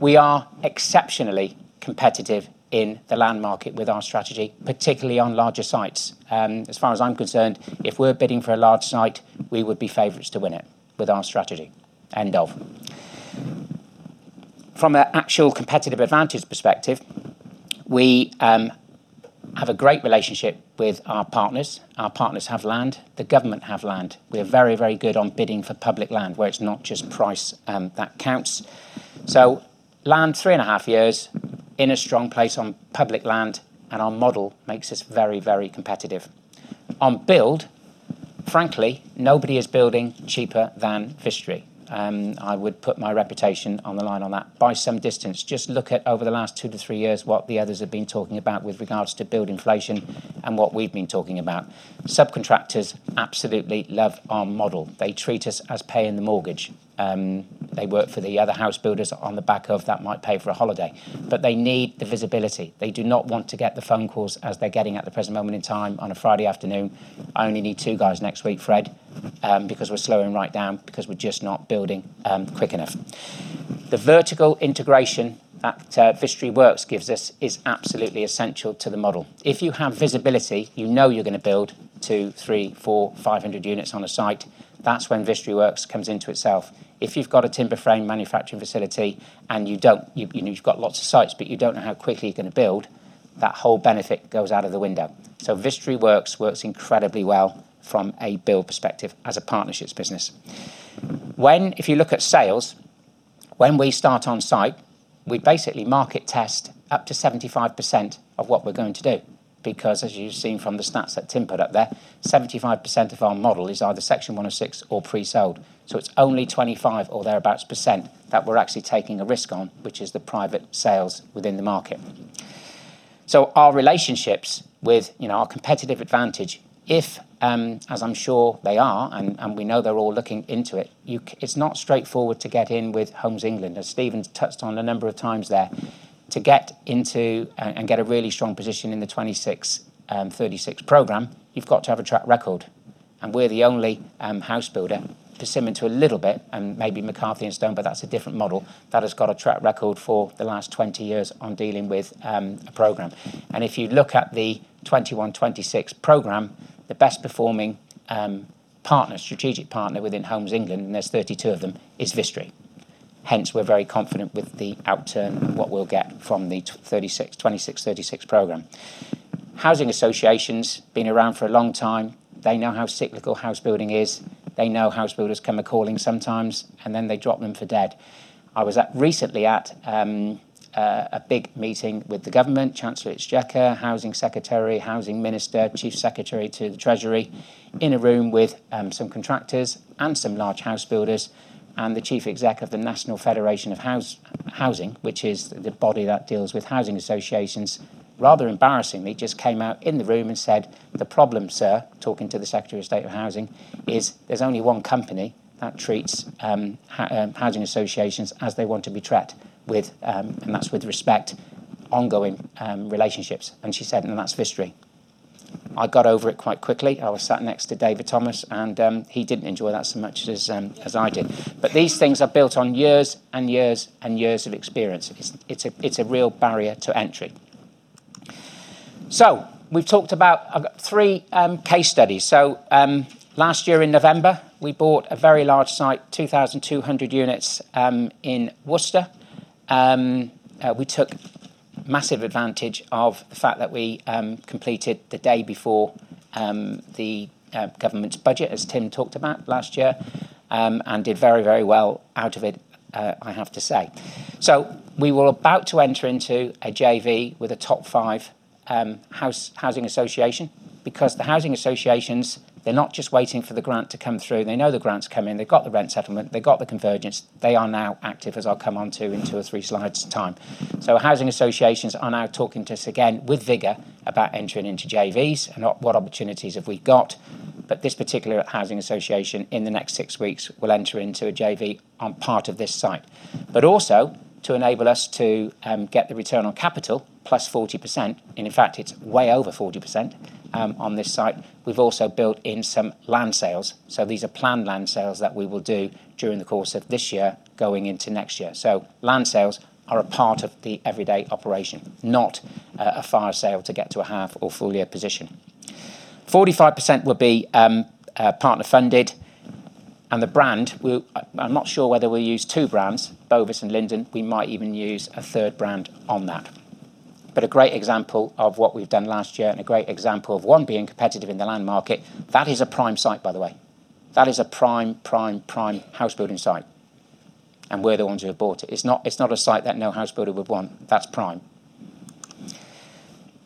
Speaker 1: We are exceptionally competitive in the land market with our strategy, particularly on larger sites. As far as I'm concerned, if we're bidding for a large site, we would be favorites to win it with our strategy. End of. From a actual competitive advantage perspective, we have a great relationship with our partners. Our partners have land. The government have land. We are very, very good on bidding for public land, where it's not just price, that counts. Land 3.5 Years in a strong place on public land, and our model makes us very, very competitive. On build, frankly, nobody is building cheaper than Vistry. I would put my reputation on the line on that by some distance. Just look at over the last 2-3 years what the others have been talking about with regards to build inflation and what we've been talking about. Subcontractors absolutely love our model. They treat us as paying the mortgage. They work for the other house builders on the back of that might pay for a holiday. They need the visibility. They do not want to get the phone calls as they're getting at the present moment in time on a Friday afternoon. I only need two guys next week, Fred, because we're slowing right down because we're just not building, quick enough. The vertical integration that Vistry Works gives us is absolutely essential to the model. If you have visibility, you know you're gonna build two, three, four, 500 units on a site. That's when Vistry Works comes into itself. If you've got a timber frame manufacturing facility and you don't. You've got lots of sites, but you don't know how quickly you're gonna build, that whole benefit goes out of the window. Vistry Works works incredibly well from a build perspective as a partnerships business. When. If you look at sales, when we start on site, we basically market test up to 75% of what we're going to do because as you've seen from the stats that Tim put up there, 75% of our model is either Section 106 or pre-sold. It's only 25 or thereabouts percent that we're actually taking a risk on, which is the private sales within the market. Our relationships with, you know, our competitive advantage, if, as I'm sure they are and we know they're all looking into it, It's not straightforward to get in with Homes England, as Stephen's touched on a number of times there. To get into a, and get a really strong position in the 2026, 2036 program, you've got to have a track record, and we're the only house builder, Persimmon to a little bit, and maybe McCarthy Stone, but that's a different model, that has got a track record for the last 20 years on dealing with a program. If you look at the 2021, 2026 program, the best performing partner, strategic partner within Homes England, and there's 32 of them, is Vistry. Hence, we're very confident with the outturn, what we'll get from the 2026, 2036 program. Housing associations been around for a long time. They know how cyclical house building is. They know house builders come a-calling sometimes, and then they drop them for dead. I was at, recently at, a big meeting with the government, Chancellor of the Exchequer, housing secretary, housing minister, Chief Secretary to the Treasury, in a room with some contractors and some large house builders and the chief exec of the National Housing Federation, which is the body that deals with housing associations. Rather embarrassingly, just came out in the room and said, "The problem, sir," talking to the Secretary of State of Housing, "is there's only one company that treats housing associations as they want to be treated with, and that's with respect, ongoing relationships." She said, "And that's Vistry." I got over it quite quickly. I was sat next to David Thomas, and he didn't enjoy that so much as I did. These things are built on years and years and years of experience. It is, it's a real barrier to entry. We've talked about, I've got 3 case studies. Last year in November, we bought a very large site, 2,200 units in Worcester. We took massive advantage of the fact that we completed the day before the government's budget, as Tim talked about last year, and did very, very well out of it, I have to say. We were about to enter into a JV with a top 5 housing association because the housing associations, they're not just waiting for the grant to come through. They know the grant's coming. They've got the rent settlement. They've got the convergence. They are now active, as I'll come on to in two or three slides' time. Housing associations are now talking to us again with vigor about entering into JVs and what opportunities have we got. This particular housing association in the next 6 weeks will enter into a JV on part of this site. Also to enable us to get the return on capital plus 40%, and in fact, it's way over 40% on this site, we've also built in some land sales. These are planned land sales that we will do during the course of this year going into next year. Land sales are a part of the everyday operation, not a fire sale to get to a half or full year position. 45% will be partner funded, and I'm not sure whether we'll use two brands, Bovis and Linden. We might even use a third brand on that. A great example of what we've done last year, and a great example of one being competitive in the land market. That is a prime site, by the way. That is a prime house building site, and we're the ones who have bought it. It's not a site that no house builder would want. That's prime.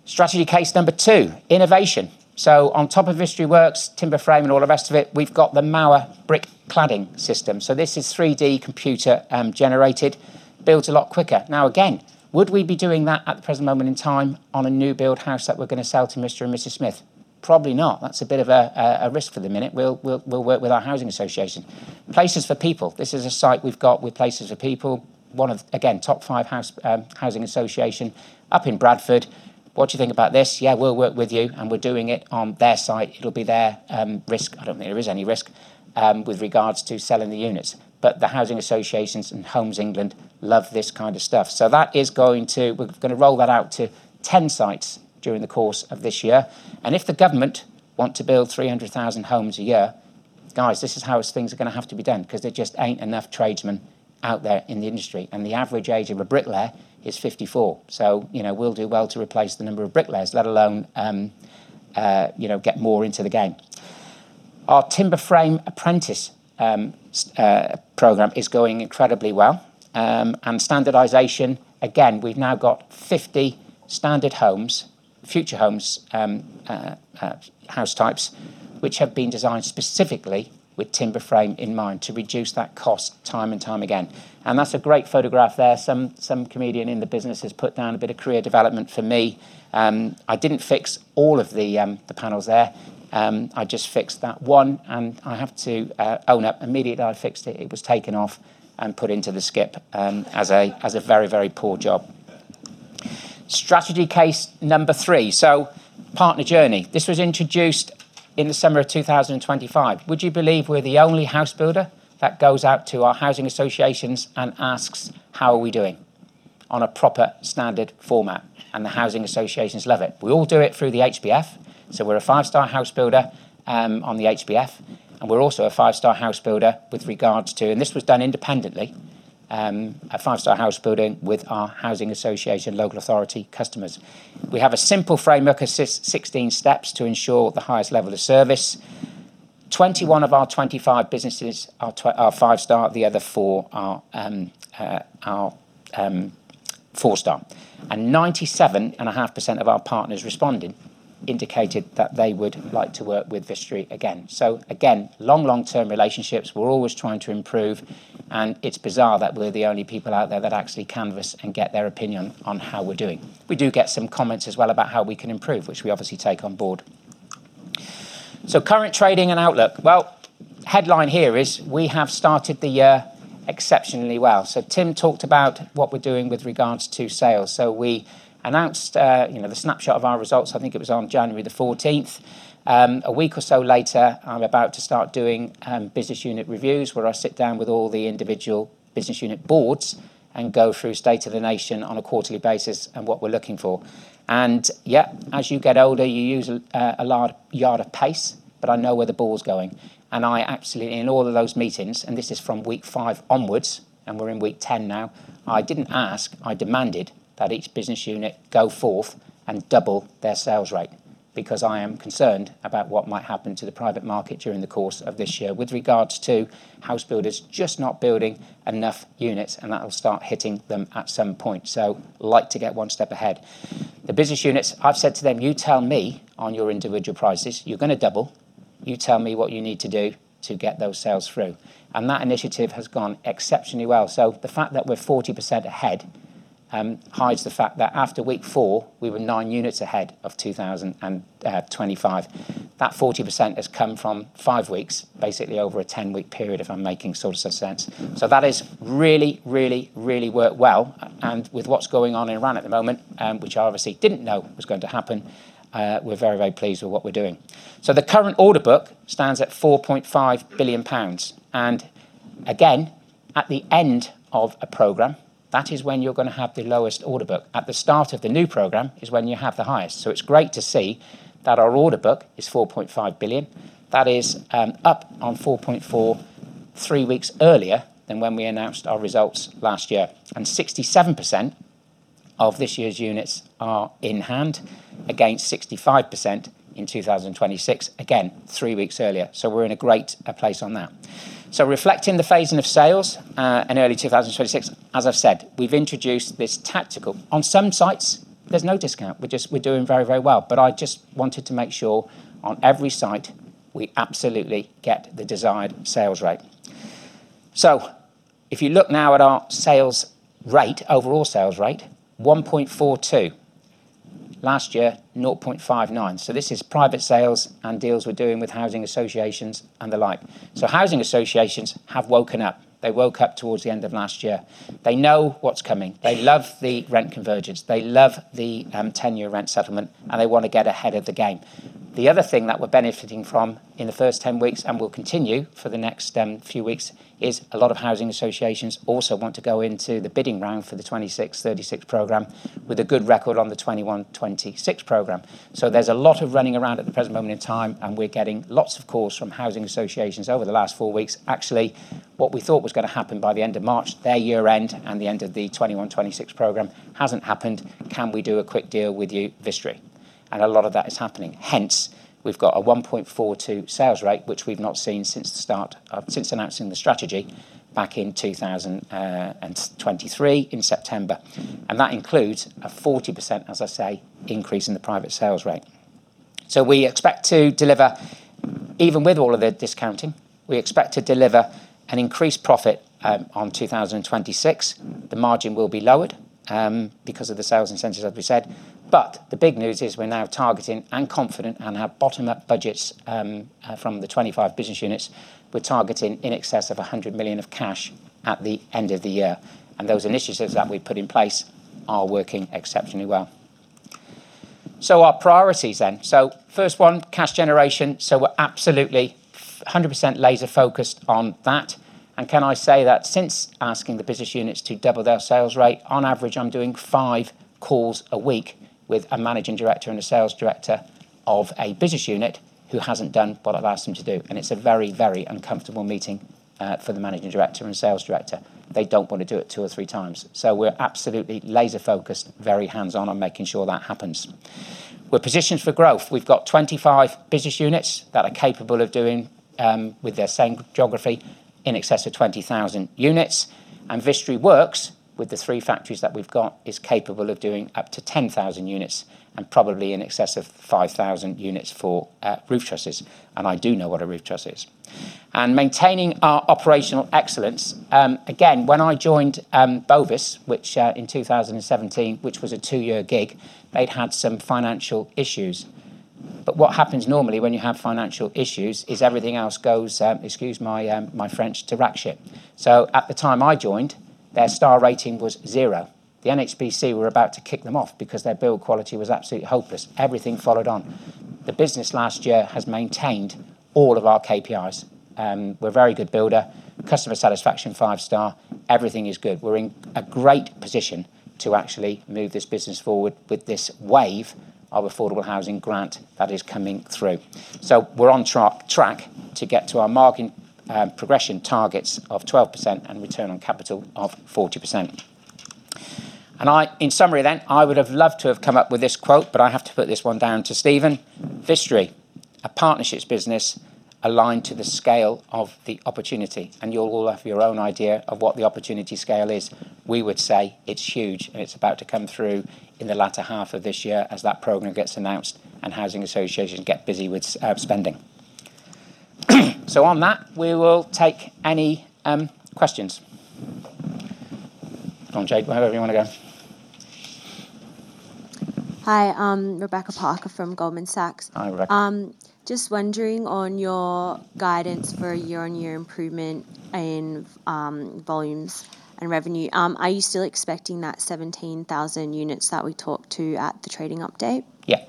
Speaker 1: Strategy case number two, innovation. On top of Vistry Works, timber frame and all the rest of it, we've got the Mauer brick cladding system. This is 3-D computer generated, built a lot quicker. Again, would we be doing that at the present moment in time on a new build house that we're gonna sell to Mr. and Mrs. Smith? Probably not. That's a bit of a risk for the minute. We'll work with our housing association, Places for People. This is a site we've got with Places for People. One of, again, top five housing association up in Bradford. "What do you think about this?" "Yeah, we'll work with you." We're doing it on their site. It'll be their risk. I don't think there is any risk with regards to selling the units. The housing associations and Homes England love this kind of stuff. That is we're gonna roll that out to 10 sites during the course of this year. If the government want to build 300,000 homes a year, guys, this is how things are gonna have to be done, 'cause there just ain't enough tradesmen out there in the industry. The average age of a bricklayer is 54. You know, we'll do well to replace the number of bricklayers, let alone, you know, get more into the game. Our timber frame apprentice program is going incredibly well, and standardization, again, we've now got 50 standard homes, future homes house types, which have been designed specifically with timber frame in mind to reduce that cost time and time again. That's a great photograph there. Some, some comedian in the business has put down a bit of career development for me. I didn't fix all of the panels there. I just fixed that one, and I have to own up, immediately I fixed it was taken off and put into the skip as a, as a very, very poor job. Strategy case number 3. Partner Journey. This was introduced in the summer of 2025. Would you believe we're the only housebuilder that goes out to our housing associations and asks, "How are we doing?" On a proper standard format. The housing associations love it. We all do it through the HBF. We're a 5-star housebuilder on the HBF, and we're also a 5-star housebuilder with regards to. This was done independently, a 5-star housebuilding with our housing association, local authority customers. We have a simple framework, assist 16 steps to ensure the highest level of service. 21 of our 25 businesses are 5-star, the other 4 are 4-star. 97.5% of our partners responding indicated that they would like to work with Vistry again. Again, long, long-term relationships we're always trying to improve, and it's bizarre that we're the only people out there that actually canvas and get their opinion on how we're doing. We do get some comments as well about how we can improve, which we obviously take on board. Current trading and outlook. Well, headline here is we have started the year exceptionally well. Tim talked about what we're doing with regards to sales. We announced, you know, the snapshot of our results, I think it was on January the 14th. A week or so later, I'm about to start doing business unit reviews, where I sit down with all the individual business unit boards and go through state of the nation on a quarterly basis and what we're looking for. Yeah, as you get older, you lose a yard of pace, but I know where the ball's going. I absolutely, in all of those meetings, and this is from week 5 onwards, and we're in week 10 now, I didn't ask, I demanded that each business unit go forth and double their sales rate. I am concerned about what might happen to the private market during the course of this year with regards to house builders just not building enough units, and that will start hitting them at some point. Like to get one step ahead. The business units, I've said to them, "You tell me on your individual prices, you're gonna double. You tell me what you need to do to get those sales through." That initiative has gone exceptionally well. The fact that we're 40% ahead hides the fact that after week 4, we were 9 units ahead of 2025. That 40% has come from 5 weeks, basically over a 10-week period, if I'm making sort of sense. That is really, really, really worked well. With what's going on in Iran at the moment, which I obviously didn't know was going to happen, we're very, very pleased with what we're doing. The current order book stands at 4.5 billion pounds. Again, at the end of a program, that is when you're gonna have the lowest order book. At the start of the new program is when you have the highest. It's great to see that our order book is 4.5 billion. That is up on 4.43 weeks earlier than when we announced our results last year. 67% of this year's units are in hand, against 65% in 2026. Again, three weeks earlier. We're in a great place on that. Reflecting the phasing of sales in early 2026, as I've said, we've introduced this tactical. On some sites, there's no discount. We're doing very, very well. I just wanted to make sure on every site, we absolutely get the desired sales rate. If you look now at our sales rate, overall sales rate, 1.42. Last year, 0.59. This is private sales and deals we're doing with housing associations and the like. Housing associations have woken up. They woke up towards the end of last year. They know what's coming. They love the rent convergence. They love the 10-year rent settlement, and they wanna get ahead of the game. The other thing that we're benefiting from in the first 10 weeks, and will continue for the next few weeks, is a lot of housing associations also want to go into the bidding round for the 26-36 program with a good record on the 21-26 program. There's a lot of running around at the present moment in time, and we're getting lots of calls from housing associations over the last four weeks. Actually, what we thought was gonna happen by the end of March, their year-end and the end of the 21-26 program hasn't happened. "Can we do a quick deal with you, Vistry?" A lot of that is happening. We've got a 1.42 sales rate, which we've not seen since announcing the strategy back in 2023, in September. That includes a 40%, as I say, increase in the private sales rate. We expect to deliver, even with all of the discounting, we expect to deliver an increased profit on 2026. The margin will be lowered because of the sales incentives, as we said. The big news is we're now targeting and confident and have bottomed up budgets from the 25 business units. We're targeting in excess of 100 million of cash at the end of the year. Those initiatives that we've put in place are working exceptionally well. Our priorities then. First one, cash generation. We're absolutely 100% laser focused on that. Can I say that since asking the business units to double their sales rate, on average, I'm doing 5 calls a week with a managing director and a sales director of a business unit who hasn't done what I've asked them to do. It's a very, very uncomfortable meeting for the managing director and sales director. They don't wanna do it 2 or 3x. We're absolutely laser focused, very hands-on, on making sure that happens. We're positioned for growth. We've got 25 business units that are capable of doing, with their same geography, in excess of 20,000 units. Vistry Works, with the 3 factories that we've got, is capable of doing up to 10,000 units and probably in excess of 5,000 units for roof trusses. I do know what a roof truss is. Maintaining our operational excellence. Again, when I joined Bovis, which in 2017, which was a 2-year gig, they had some financial issues. What happens normally when you have financial issues is everything else goes, excuse my French, to rackshit. At the time I joined, their star rating was 0. The NHBC were about to kick them off because their build quality was absolutely hopeless. Everything followed on. The business last year has maintained all of our KPIs. We're a very good builder. Customer satisfaction, 5-star. Everything is good. We're in a great position to actually move this business forward with this wave of affordable housing grant that is coming through. We're on track to get to our margin progression targets of 12% and return on capital of 40%. In summary, I would have loved to have come up with this quote, but I have to put this one down to Stephen. Vistry, a partnerships business aligned to the scale of the opportunity. You'll all have your own idea of what the opportunity scale is. We would say it's huge, and it's about to come through in the latter half of this year as that program gets announced and housing associations get busy with spending. On that, we will take any questions. Go on, Jake. Wherever you wanna go.
Speaker 4: Hi, Rebecca Parker from Goldman Sachs.
Speaker 1: Hi, Rebecca.
Speaker 4: Just wondering on your guidance for year-on-year improvement in volumes and revenue, are you still expecting that 17,000 units that we talked to at the trading update?
Speaker 1: Yeah.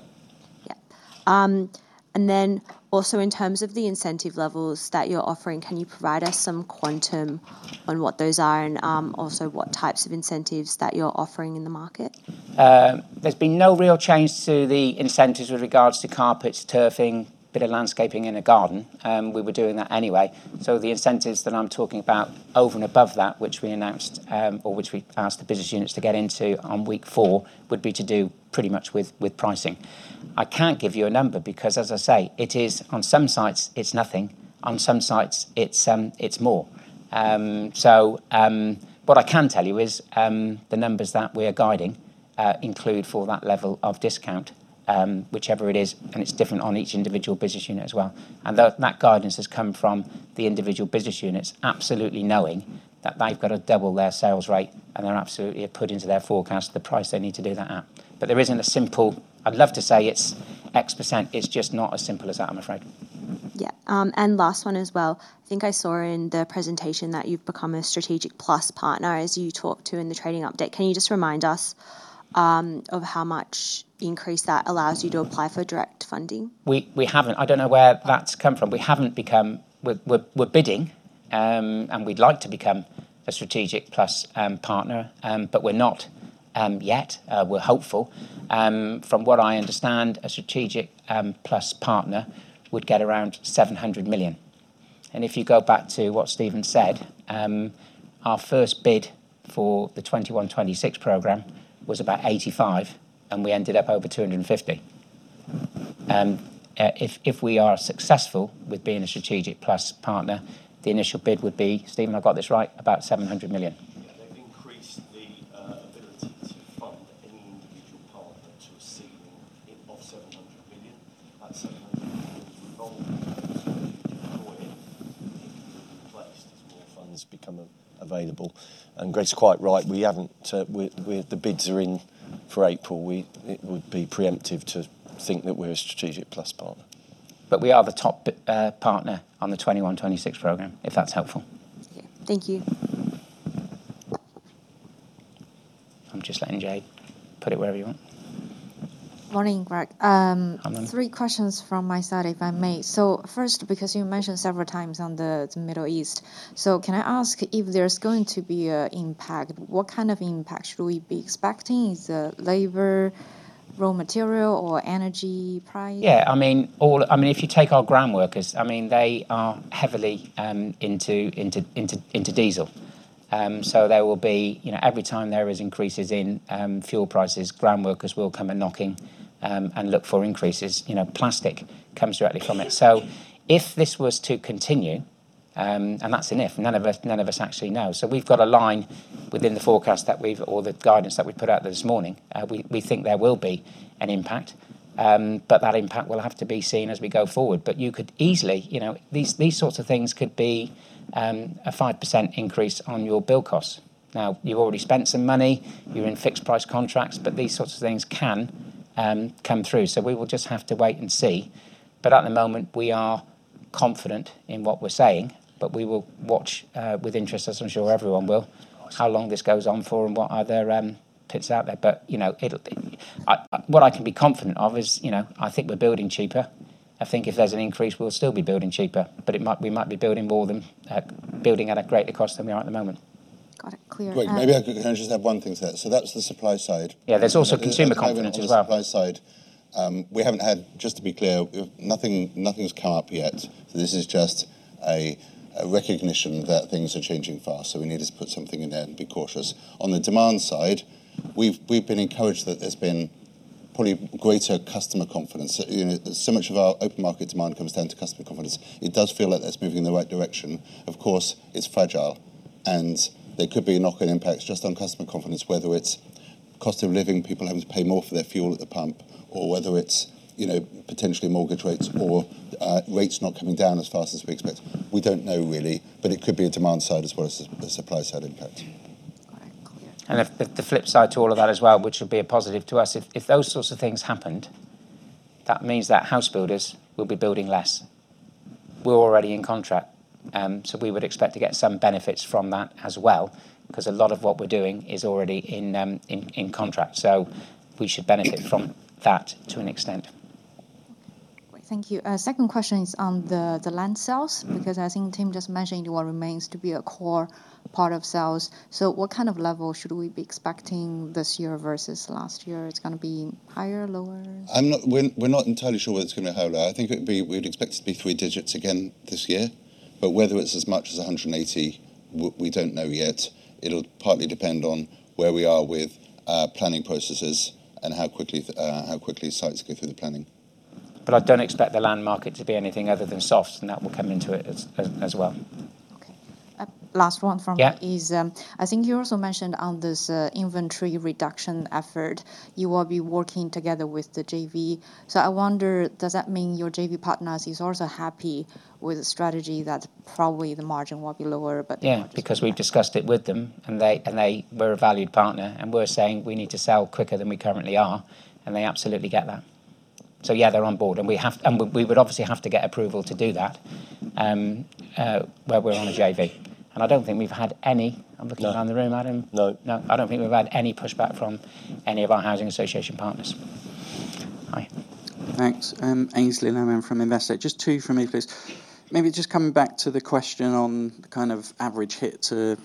Speaker 4: Yeah. In terms of the incentive levels that you're offering, can you provide us some quantum on what those are and also what types of incentives that you're offering in the market?
Speaker 1: There's been no real change to the incentives with regards to carpets, turfing, bit of landscaping in a garden. We were doing that anyway. The incentives that I'm talking about over and above that which we announced, or which we asked the business units to get into on week four, would be to do pretty much with pricing. I can't give you a number because, as I say, it is on some sites, it's nothing. On some sites, it's more. What I can tell you is, the numbers that we are guiding, include for that level of discount, whichever it is, and it's different on each individual business unit as well. That guidance has come from the individual business units absolutely knowing that they've got to double their sales rate, and they're absolutely put into their forecast the price they need to do that at. There isn't a simple, "I'd love to say it's X%." It's just not as simple as that, I'm afraid.
Speaker 4: Yeah. Last one as well. I think I saw in the presentation that you've become a strategic plus partner as you talked to in the trading update. Can you just remind us of how much increase that allows you to apply for direct funding?
Speaker 1: We haven't. I don't know where that's come from. We're bidding, and we'd like to become a strategic plus partner, but we're not yet. We're hopeful. From what I understand, a strategic plus partner would get around 700 million. If you go back to what Stephen said, our first bid for the 21, 26 program was about 85, and we ended up over 250. If we are successful with being a strategic plus partner, the initial bid would be, Stephen, have I got this right? About 700 million.
Speaker 3: Yeah. They've increased the ability to fund any individual partner to a ceiling in, of GBP 700 million. That GBP 700 million will roll over to the following year. It can be replaced as more funds become available. Greg's quite right. We haven't, The bids are in for April. It would be preemptive to think that we're a strategic plus partner.
Speaker 1: We are the top partner on the 21, 26 program, if that's helpful.
Speaker 4: Yeah. Thank you.
Speaker 1: I'm just letting Jay put it wherever you want.
Speaker 5: Morning, Greg.
Speaker 1: Hi, Ming.
Speaker 5: Three questions from my side, if I may. First, because you mentioned several times on the Middle East. Can I ask if there's going to be a impact? What kind of impact should we be expecting? Is it labor, raw material, or energy price?
Speaker 1: I mean, all. I mean, if you take our ground workers, I mean, they are heavily into diesel. There will be, you know, every time there is increases in fuel prices, ground workers will come a-knocking and look for increases. You know, plastic comes directly from it. If this was to continue, and that's an if, none of us actually know. We've got a line within the forecast that or the guidance that we put out this morning. We think there will be an impact. But that impact will have to be seen as we go forward. You could easily, you know, these sorts of things could be a 5% increase on your bill costs. Now, you've already spent some money, you're in fixed price contracts, but these sorts of things can come through. We will just have to wait and see. At the moment, we are confident in what we're saying. We will watch, with interest, as I'm sure everyone will, how long this goes on for and what other pits out there. You know, what I can be confident of is, you know, I think we're building cheaper. I think if there's an increase, we'll still be building cheaper. We might be building more than building at a greater cost than we are at the moment.
Speaker 5: Got it. Clear.
Speaker 2: Wait, maybe I can I just add one thing to that? That's the supply side.
Speaker 1: Yeah, there's also consumer confidence as well.
Speaker 2: On the supply side, we haven't had, just to be clear, nothing's come up yet. This is just a recognition that things are changing fast. We need to put something in there and be cautious. On the demand side, we've been encouraged that there's been probably greater customer confidence. You know, so much of our open market demand comes down to customer confidence. It does feel like that's moving in the right direction. Of course, it's fragile, and there could be knock-on impacts just on customer confidence, whether it's cost of living, people having to pay more for their fuel at the pump, or whether it's, you know, potentially mortgage rates or rates not coming down as fast as we expect. We don't know really, but it could be a demand side as well as a supply side impact.
Speaker 5: Got it. Clear.
Speaker 1: The flip side to all of that as well, which would be a positive to us, if those sorts of things happened, that means that house builders will be building less. We're already in contract, so we would expect to get some benefits from that as well, 'cause a lot of what we're doing is already in contract. We should benefit from that to an extent.
Speaker 5: Thank you. Second question is on the land sales.
Speaker 1: Mm-hmm.
Speaker 5: Because I think Tim just mentioned what remains to be a core part of sales. What kind of level should we be expecting this year versus last year? It's going to be higher, lower?
Speaker 2: I'm not entirely sure whether it's gonna be higher or lower. I think we'd expect it to be three digits again this year. Whether it's as much as 180, we don't know yet. It'll partly depend on where we are with planning processes and how quickly sites go through the planning.
Speaker 1: I don't expect the land market to be anything other than soft, and that will come into it as well.
Speaker 5: Okay. last one from me-
Speaker 1: Yeah.
Speaker 5: is, I think you also mentioned on this, inventory reduction effort, you will be working together with the JV. I wonder, does that mean your JV partners is also happy with the strategy that probably the margin will be lower?
Speaker 1: Yeah, because we've discussed it with them, and they were a valued partner, and we're saying we need to sell quicker than we currently are, and they absolutely get that. Yeah, they're on board, and we would obviously have to get approval to do that, where we're on a JV. I don't think we've had any. I'm looking around the room, Adam?
Speaker 2: No.
Speaker 1: No, I don't think we've had any pushback from any of our housing association partners. Hi.
Speaker 6: Thanks. Aynsley Lammin from Investec. Just two from me, please. Maybe just coming back to the question on kind of average hit to,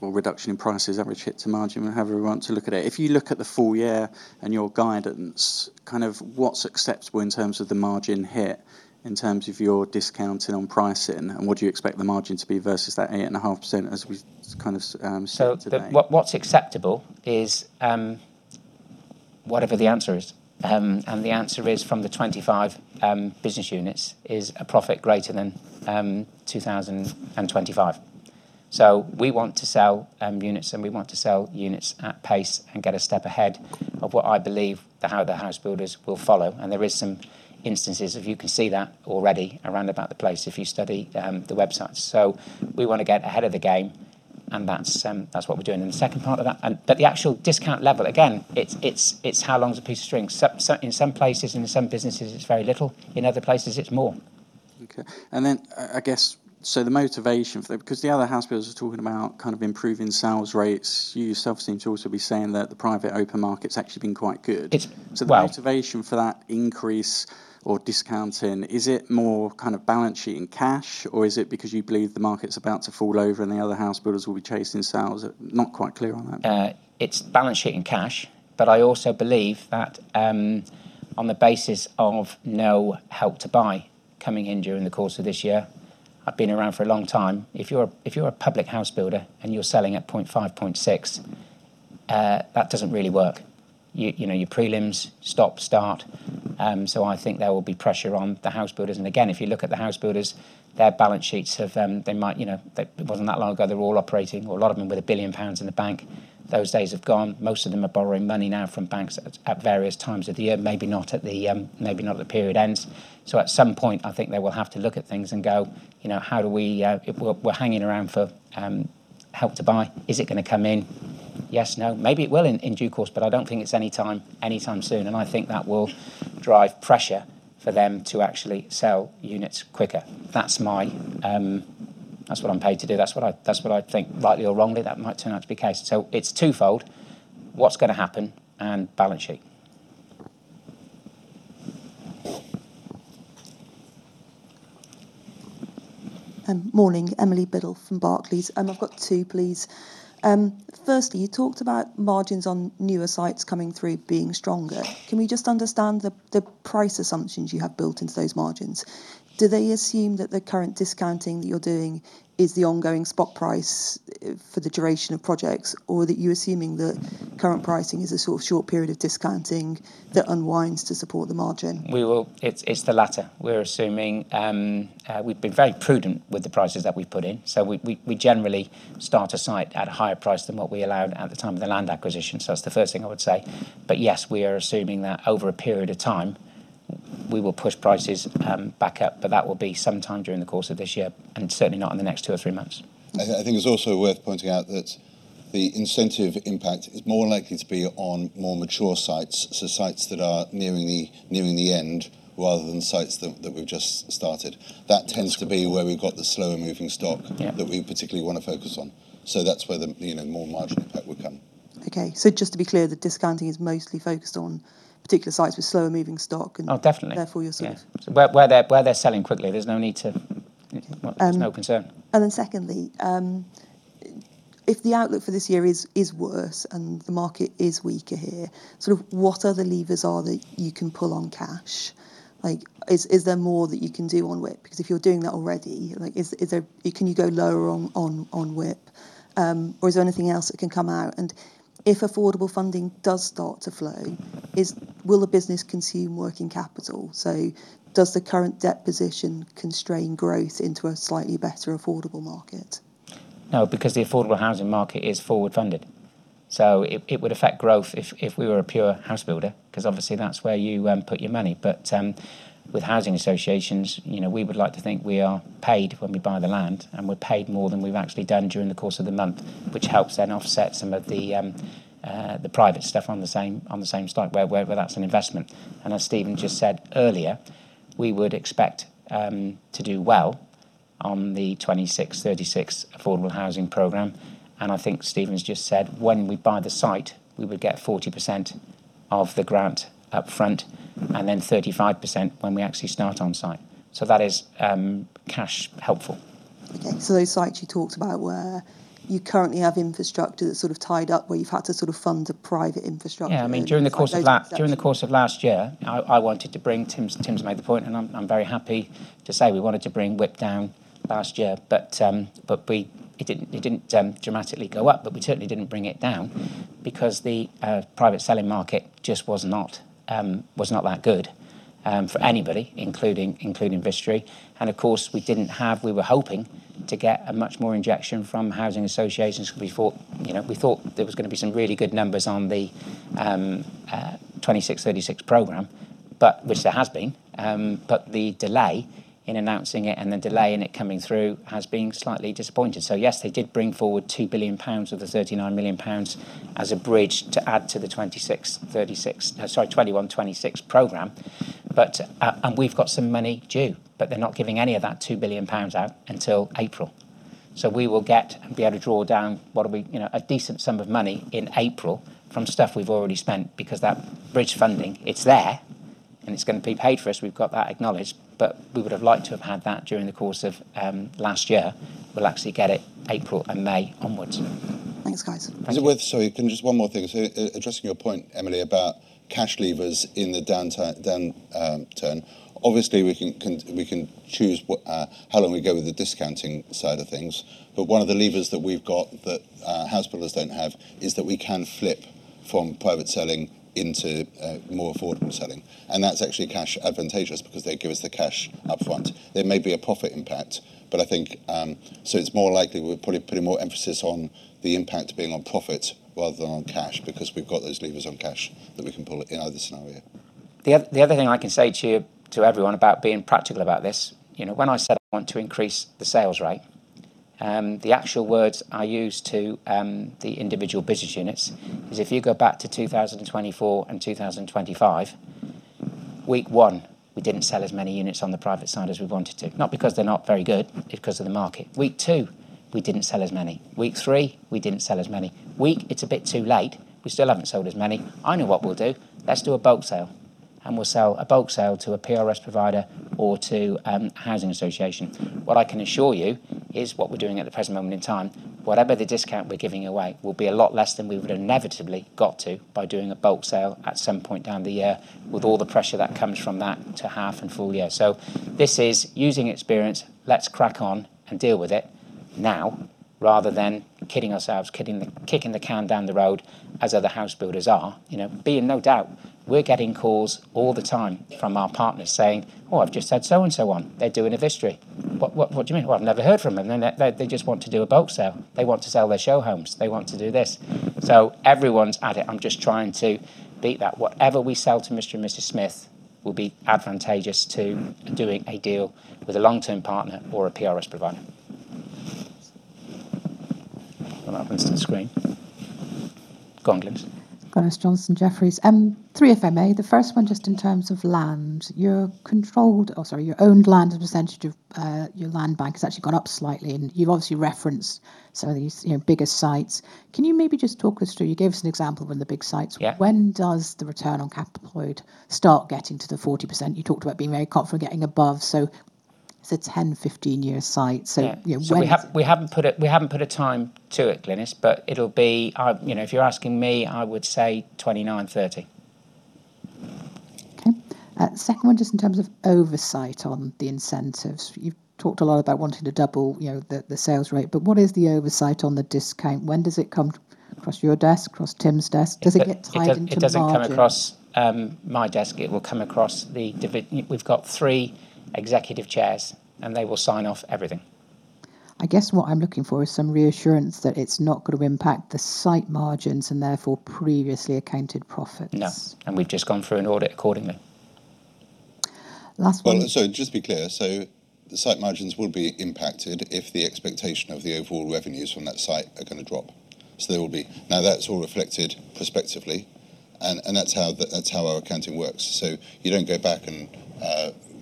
Speaker 6: or reduction in prices, average hit to margin, however you want to look at it. If you look at the full year and your guidance, kind of what's acceptable in terms of the margin hit, in terms of your discounting on pricing, and what do you expect the margin to be versus that 8.5% as we kind of see today?
Speaker 1: What's acceptable is whatever the answer is. The answer is from the 25 business units is a profit greater than 2025. We want to sell units, and we want to sell units at pace and get a step ahead of what I believe how the house builders will follow. There is some instances of you can see that already around about the place if you study the websites. We wanna get ahead of the game, and that's what we're doing. The second part of that. The actual discount level, again, it's how long is a piece of string. In some places and in some businesses, it's very little. In other places, it's more.
Speaker 6: Okay. I guess, so the motivation 'cause the other house builders are talking about kind of improving sales rates. You yourself seem to also be saying that the private open market's actually been quite good?
Speaker 1: well-
Speaker 6: The motivation for that increase or discounting, is it more kind of balance sheet and cash, or is it because you believe the market's about to fall over and the other house builders will be chasing sales? Not quite clear on that.
Speaker 1: It's balance sheet and cash. I also believe that, on the basis of no Help to Buy coming in during the course of this year, I've been around for a long time. If you're a public house builder and you're selling at 0.5, 0.6, that doesn't really work. You know, your prelims stop, start. I think there will be pressure on the house builders. Again, if you look at the house builders, their balance sheets have, they might, you know, it wasn't that long ago, they were all operating, or a lot of them with 1 billion pounds in the bank. Those days have gone. Most of them are borrowing money now from banks at various times of the year, maybe not at the, maybe not at the period ends. At some point, I think they will have to look at things and go, you know, "How do we... If we're hanging around for Help to Buy, is it gonna come in? Yes? No?" Maybe it will in due course, but I don't think it's any time soon, and I think that will drive pressure for them to actually sell units quicker. That's my, that's what I'm paid to do. That's what I think. Rightly or wrongly, that might turn out to be case. It's twofold. What's gonna happen and balance sheet.
Speaker 7: morning. Emily Biddulph from Barclays. I've got two, please. Firstly, you talked about margins on newer sites coming through being stronger. Can we just understand the price assumptions you have built into those margins? Do they assume that the current discounting that you're doing is the ongoing spot price for the duration of projects, or are you assuming the current pricing is a sort of short period of discounting that unwinds to support the margin?
Speaker 1: It's the latter. We're assuming we've been very prudent with the prices that we've put in. We generally start a site at a higher price than what we allowed at the time of the land acquisition. That's the first thing I would say. Yes, we are assuming that over a period of time, we will push prices back up, that will be sometime during the course of this year, and certainly not in the next two or three months.
Speaker 2: I think it's also worth pointing out that the incentive impact is more likely to be on more mature sites. Sites that are nearing the end rather than sites that we've just started. That tends to be where we've got the slower moving stock.
Speaker 1: Yeah
Speaker 2: that we particularly wanna focus on. That's where the, you know, more marginal effect would come.
Speaker 7: Okay. Just to be clear, the discounting is mostly focused on particular sites with slower moving stock and-
Speaker 1: Oh, definitely.
Speaker 7: therefore you're saying.
Speaker 1: Yeah. Where they're selling quickly, there's no need to, well, there's no concern.
Speaker 7: Secondly, if the outlook for this year is worse and the market is weaker here, sort of what other levers are that you can pull on cash? Is there more that you can do on WIP? Because if you're doing that already, can you go lower on WIP? Or is there anything else that can come out? If affordable funding does start to flow, will the business consume working capital? Does the current debt position constrain growth into a slightly better affordable market?
Speaker 1: No, because the affordable housing market is forward funded. It would affect growth if we were a pure house builder, 'cause obviously that's where you put your money. With housing associations, you know, we would like to think we are paid when we buy the land, and we're paid more than we've actually done during the course of the month, which helps then offset some of the private stuff on the same site where that's an investment. As Stephen just said earlier, we would expect to do well on the 26-36 affordable housing program. I think Stephen's just said when we buy the site, we would get 40% of the grant up front and then 35% when we actually start on site. That is cash helpful.
Speaker 7: Those sites you talked about where you currently have infrastructure that's sort of tied up where you've had to sort of fund the private infrastructure.
Speaker 1: Yeah. I mean, during the course of.
Speaker 7: Those exceptions
Speaker 1: during the course of last year, I wanted to bring Tim's made the point, and I'm very happy to say we wanted to bring WIP down last year. It didn't dramatically go up, but we certainly didn't bring it down because the private selling market just was not that good for anybody, including Vistry. Of course, we were hoping to get a much more injection from housing associations because we thought, you know, we thought there was gonna be some really good numbers on the 2636 program, but which there has been. The delay in announcing it and the delay in it coming through has been slightly disappointing. Yes, they did bring forward 2 billion pounds of the 39 million pounds as a bridge to add to the 26-36, sorry, 21-26 program. We've got some money due, but they're not giving any of that 2 billion pounds out until April. We will get and be able to draw down what are we, you know, a decent sum of money in April from stuff we've already spent because that bridge funding, it's there, and it's gonna be paid for us. We've got that acknowledged. We would have liked to have had that during the course of last year. We'll actually get it April and May onwards.
Speaker 7: Thanks, guys.
Speaker 2: Sorry. Just one more thing. Addressing your point, Emily, about cash levers in the down turn. Obviously, we can choose what how long we go with the discounting side of things. One of the levers that we've got that house builders don't have is that we can flip from private selling into more affordable selling. That's actually cash advantageous because they give us the cash up front. There may be a profit impact, but I think it's more likely we're putting more emphasis on the impact being on profit rather than on cash because we've got those levers on cash that we can pull in either scenario.
Speaker 1: The other thing I can say to you, to everyone about being practical about this, you know, when I said I want to increase the sales rate, the actual words I use to the individual business units is if you go back to 2024 and 2025, week one, we didn't sell as many units on the private side as we wanted to. Not because they're not very good, because of the market. Week two, we didn't sell as many. Week three, we didn't sell as many. It's a bit too late. We still haven't sold as many. I know what we'll do. Let's do a bulk sale, and we'll sell a bulk sale to a PRS provider or to housing association. What I can assure you is what we're doing at the present moment in time, whatever the discount we're giving away will be a lot less than we would inevitably got to by doing a bulk sale at some point down the year with all the pressure that comes from that to half and full year. This is using experience. Let's crack on and deal with it now rather than kidding ourselves, kicking the can down the road as other house builders are. You know? Be in no doubt, we're getting calls all the time from our partners saying, "Oh, I've just had so and so on. They're doing a Vistry." What do you mean? Well, I've never heard from them. Then they just want to do a bulk sale. They want to sell their show homes. They want to do this. Everyone's at it. I'm just trying to beat that. Whatever we sell to Mr. and Mrs. Smith will be advantageous to doing a deal with a long-term partner or a PRS provider. What happens to the screen? Go on, Glynis.
Speaker 8: Glynis Johnson, Jefferies. Three if I may. The first one, just in terms of land. Your owned land, the percentage of your land bank has actually gone up slightly. You've obviously referenced some of these, you know, bigger sites. Can you maybe just talk us through? You gave us an example of one of the big sites.
Speaker 1: Yeah.
Speaker 8: When does the return on capital employed start getting to the 40%? You talked about being very confident getting above. It's a 10, 15 year site.
Speaker 1: Yeah.
Speaker 8: Yeah.
Speaker 1: We haven't put a time to it, Glynis, but it'll be, you know, if you're asking me, I would say 2029, 2030.
Speaker 8: Okay. Second one just in terms of oversight on the incentives. You've talked a lot about wanting to double, you know, the sales rate, but what is the oversight on the discount? When does it come across your desk, across Tim's desk?
Speaker 1: It does-
Speaker 8: Does it get tied into margin?
Speaker 1: It doesn't come across my desk. We've got three executive chairs. They will sign off everything.
Speaker 8: I guess what I'm looking for is some reassurance that it's not gonna impact the site margins and therefore previously accounted profits.
Speaker 1: No. We've just gone through an audit accordingly.
Speaker 8: Last one.
Speaker 2: Just to be clear, the site margins will be impacted if the expectation of the overall revenues from that site are gonna drop. Now that's all reflected prospectively and that's how our accounting works. You don't go back and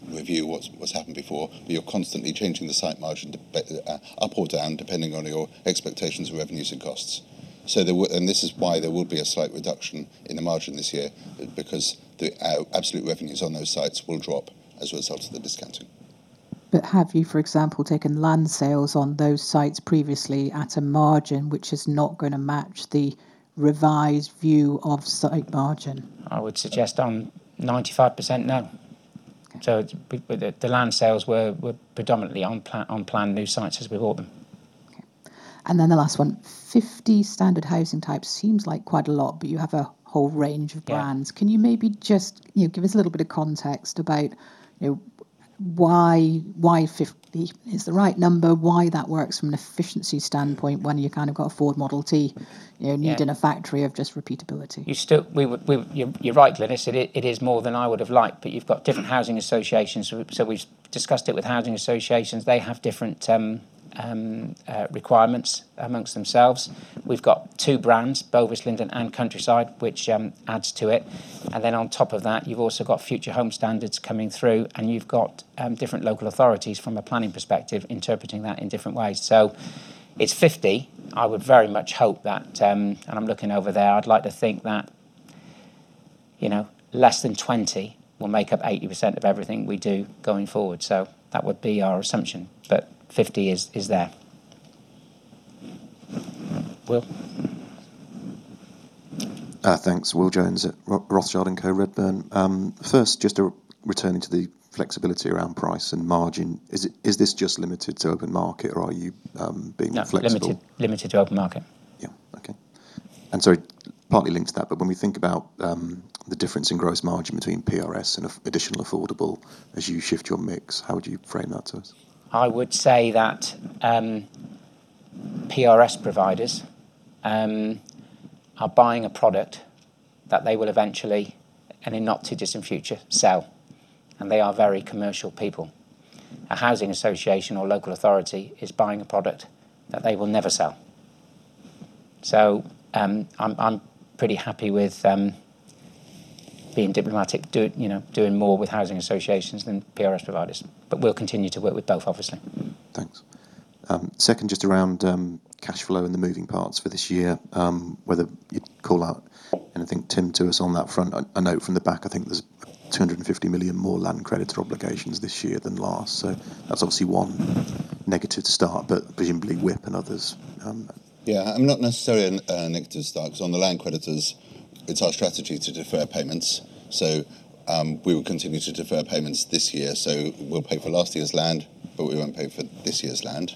Speaker 2: review what's happened before, but you're constantly changing the site margin up or down depending on your expectations of revenues and costs. This is why there will be a slight reduction in the margin this year because the absolute revenues on those sites will drop as a result of the discounting.
Speaker 8: Have you, for example, taken land sales on those sites previously at a margin which is not gonna match the revised view of site margin?
Speaker 1: I would suggest on 95% no.
Speaker 8: Okay.
Speaker 1: It's With the land sales were predominantly on plan new sites as we bought them.
Speaker 8: Okay. The last one. 50 standard housing types seems like quite a lot, but you have a whole range of brands.
Speaker 1: Yeah.
Speaker 8: Can you maybe just, you know, give us a little bit of context about, you know, why 50 is the right number, why that works from an efficiency standpoint when you kind of got a Ford Model T, you know.
Speaker 1: Yeah.
Speaker 8: needing a factory of just repeatability.
Speaker 1: You, you're right, Glynis. It is more than I would have liked, but you've got different housing associations. We've discussed it with housing associations. They have different requirements amongst themselves. We've got two brands, Bovis Linden and Countryside, which adds to it. Then on top of that, you've also got Future Homes Standard coming through, and you've got different local authorities from a planning perspective interpreting that in different ways. It's 50. I would very much hope that, and I'm looking over there, I'd like to think that, you know, less than 20 will make up 80% of everything we do going forward. That would be our assumption, but 50 is there. Will?
Speaker 9: Thanks. Will Jones at Rothschild & Co Redburn. First, just returning to the flexibility around price and margin. Is this just limited to open market, or are you being flexible?
Speaker 1: Limited, limited to open market.
Speaker 9: Yeah. Okay. Partly linked to that, but when we think about the difference in gross margin between PRS and additional affordable, as you shift your mix, how would you frame that to us?
Speaker 1: I would say that PRS providers are buying a product that they will eventually, and in not too distant future, sell, and they are very commercial people. A housing association or local authority is buying a product that they will never sell. I'm pretty happy with being diplomatic, you know, doing more with housing associations than PRS providers. We'll continue to work with both, obviously.
Speaker 9: Thanks. Second, just around cash flow and the moving parts for this year, whether you'd call out anything, Tim, to us on that front. A note from the back, I think there's 250 million more land credits or obligations this year than last. That's obviously one negative start, but presumably WIP and others.
Speaker 2: I mean, not necessarily a negative start, 'cause on the land creditors, it's our strategy to defer payments. We will continue to defer payments this year. We'll pay for last year's land, but we won't pay for this year's land.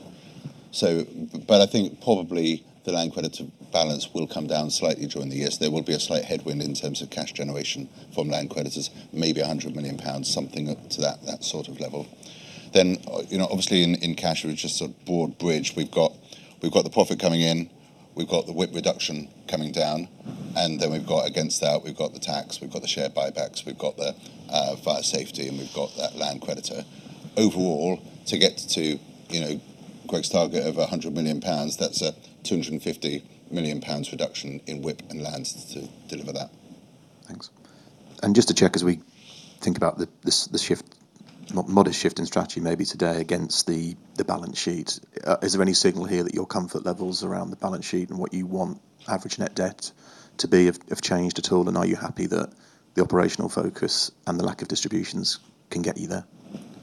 Speaker 2: But I think probably the land creditor balance will come down slightly during the year. There will be a slight headwind in terms of cash generation from land creditors, maybe 100 million pounds, something up to that sort of level. Obviously in cash, it was just a broad bridge. We've got the profit coming in. We've got the WIP reduction coming down. Against that, we've got the tax. We've got the share buybacks. We've got the fire safety, and we've got that land creditor. Overall, to get to, you know, Greg's target of 100 million pounds, that's a 250 million pounds reduction in WIP and lands to deliver that.
Speaker 9: Thanks. Just to check as we think about the shift, not modest shift in strategy maybe today against the balance sheet. Is there any signal here that your comfort levels around the balance sheet and what you want average net debt to be have changed at all? Are you happy that the operational focus and the lack of distributions can get you there?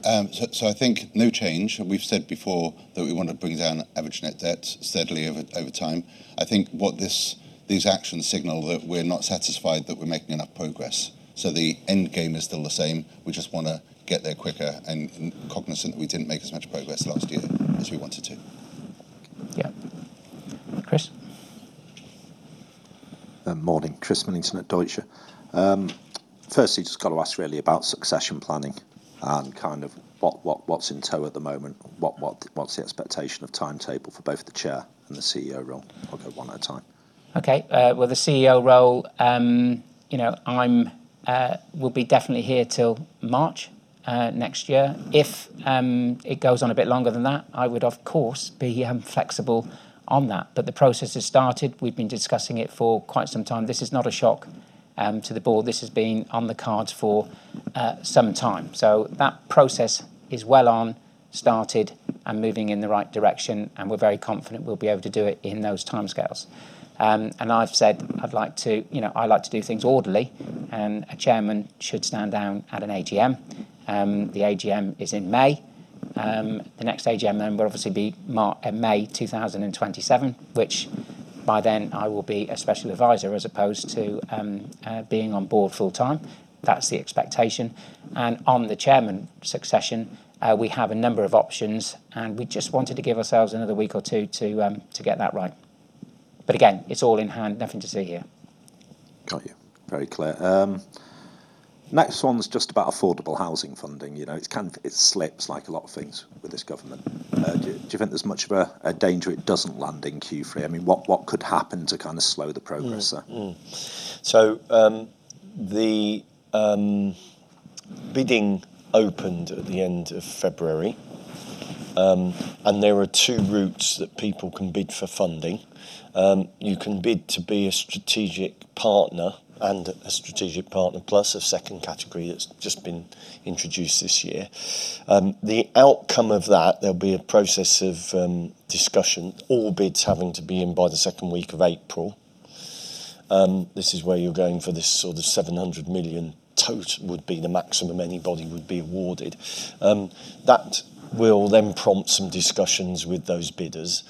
Speaker 2: I think no change. We've said before that we want to bring down average net debt steadily over time. I think what this, these actions signal that we're not satisfied that we're making enough progress. The end game is still the same. We just wanna get there quicker and cognizant we didn't make as much progress last year as we wanted to.
Speaker 1: Yeah. Chris?
Speaker 10: Morning. Chris Millington at Deutsche. Firstly, just gotta ask really about succession planning and kind of what's in tow at the moment? What's the expectation of timetable for both the chair and the CEO role? I'll go one at a time.
Speaker 1: Okay. Well, the CEO role, you know, I'm will be definitely here till March next year. If it goes on a bit longer than that, I would, of course, be flexible on that. The process has started. We've been discussing it for quite some time. This is not a shock to the board. This has been on the cards for some time. That process is well on, started, and moving in the right direction, and we're very confident we'll be able to do it in those timescales. I've said I'd like to, you know, I like to do things orderly, and a chairman should stand down at an AGM. The AGM is in May. The next AGM then will obviously be in May 2027, which by then I will be a special advisor as opposed to being on board full-time. That's the expectation. On the chairman succession, we have a number of options, and we just wanted to give ourselves another week or two to get that right. Again, it's all in hand. Nothing to see here.
Speaker 10: Got you. Very clear. Next one's just about affordable housing funding. You know, it slips like a lot of things with this government. Do you think there's much of a danger it doesn't land in Q3? I mean, what could happen to kind of slow the progress there?
Speaker 3: The bidding opened at the end of February, and there are two routes that people can bid for funding. You can bid to be a strategic partner and a strategic partner plus a second category that's just been introduced this year. The outcome of that, there'll be a process of discussion, all bids having to be in by the 2nd week of April. This is where you're going for this sort of 700 million tote would be the maximum anybody would be awarded. That will then prompt some discussions with those bidders.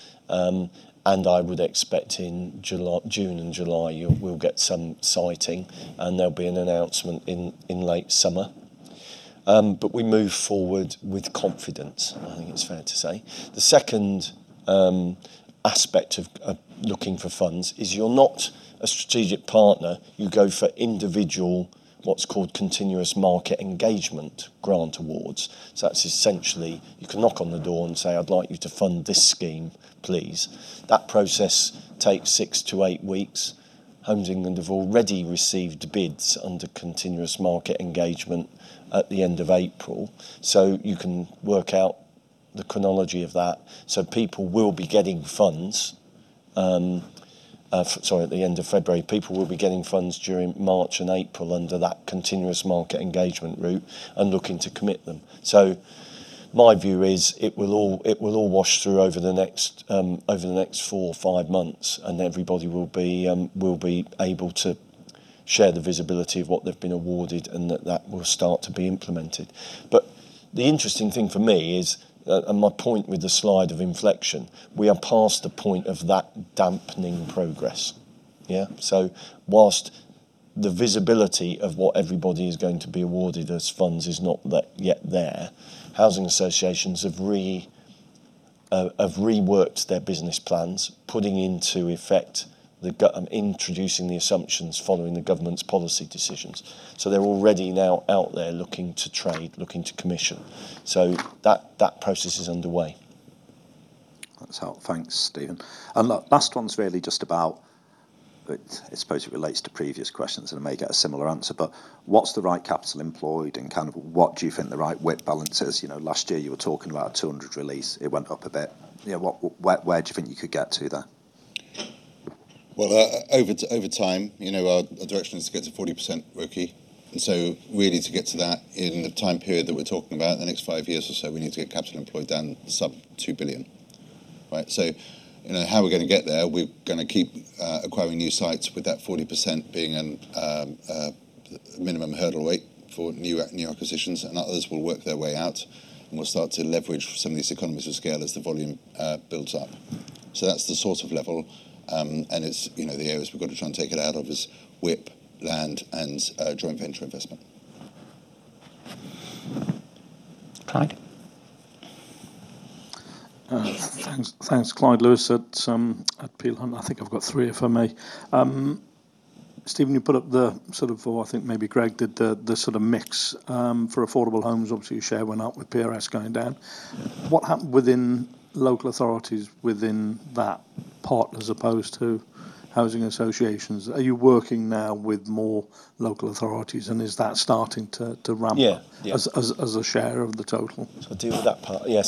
Speaker 3: I would expect in June and July we'll get some siting, and there'll be an announcement in late summer. We move forward with confidence, I think it's fair to say. The second aspect of looking for funds is you're not a strategic partner. You go for individual, what's called Continuous Market Engagement grant awards. That's essentially, you can knock on the door and say, "I'd like you to fund this scheme, please." That process takes 6-8 weeks. Homes England have already received bids under Continuous Market Engagement at the end of April. You can work out the chronology of that. People will be getting funds, sorry, at the end of February. People will be getting funds during March and April under that Continuous Market Engagement route and looking to commit them. My view is it will all wash through over the next, over the next four or five months and everybody will be able to share the visibility of what they've been awarded and that will start to be implemented. The interesting thing for me is, and my point with the slide of inflection, we are past the point of that dampening progress. Yeah. Whilst the visibility of what everybody is going to be awarded as funds is not yet there, housing associations have reworked their business plans, putting into effect introducing the assumptions following the government's policy decisions. They're already now out there looking to trade, looking to commission. That process is underway.
Speaker 10: That's helpful. Thanks, Stephen. Look, last one's really just I suppose it relates to previous questions, and I may get a similar answer, but what's the right capital employed and kind of what do you think the right WIP balance is? You know, last year you were talking about 200 release. It went up a bit. You know, where do you think you could get to there?
Speaker 2: Well, over time, you know, our direction is to get to 40% ROCE. Really to get to that in the time period that we're talking about, the next 5 years or so, we need to get capital employed down sub 2 billion. Right? You know, how we're gonna get there, we're gonna keep acquiring new sites with that 40% being a minimum hurdle weight for new acquisitions, and others will work their way out, and we'll start to leverage some of these economies of scale as the volume builds up. That's the sort of level, and it's, you know, the areas we've got to try and take it out of is WIP, land, and joint venture investment.
Speaker 10: Clyde?
Speaker 1: Yes.
Speaker 11: Thanks.t. I think I've got three, if I may. Stephen, you put up the sort of or I think maybe Greg did, the sort of mix for affordable homes. Obviously, your share went up with PRS going down. What happened within local authorities within that part as opposed to housing associations? Are you working now with more local authorities, and is that starting to ramp up?
Speaker 3: Yeah. Yeah.
Speaker 11: as a share of the total?
Speaker 3: I'll deal with that part. Yeah.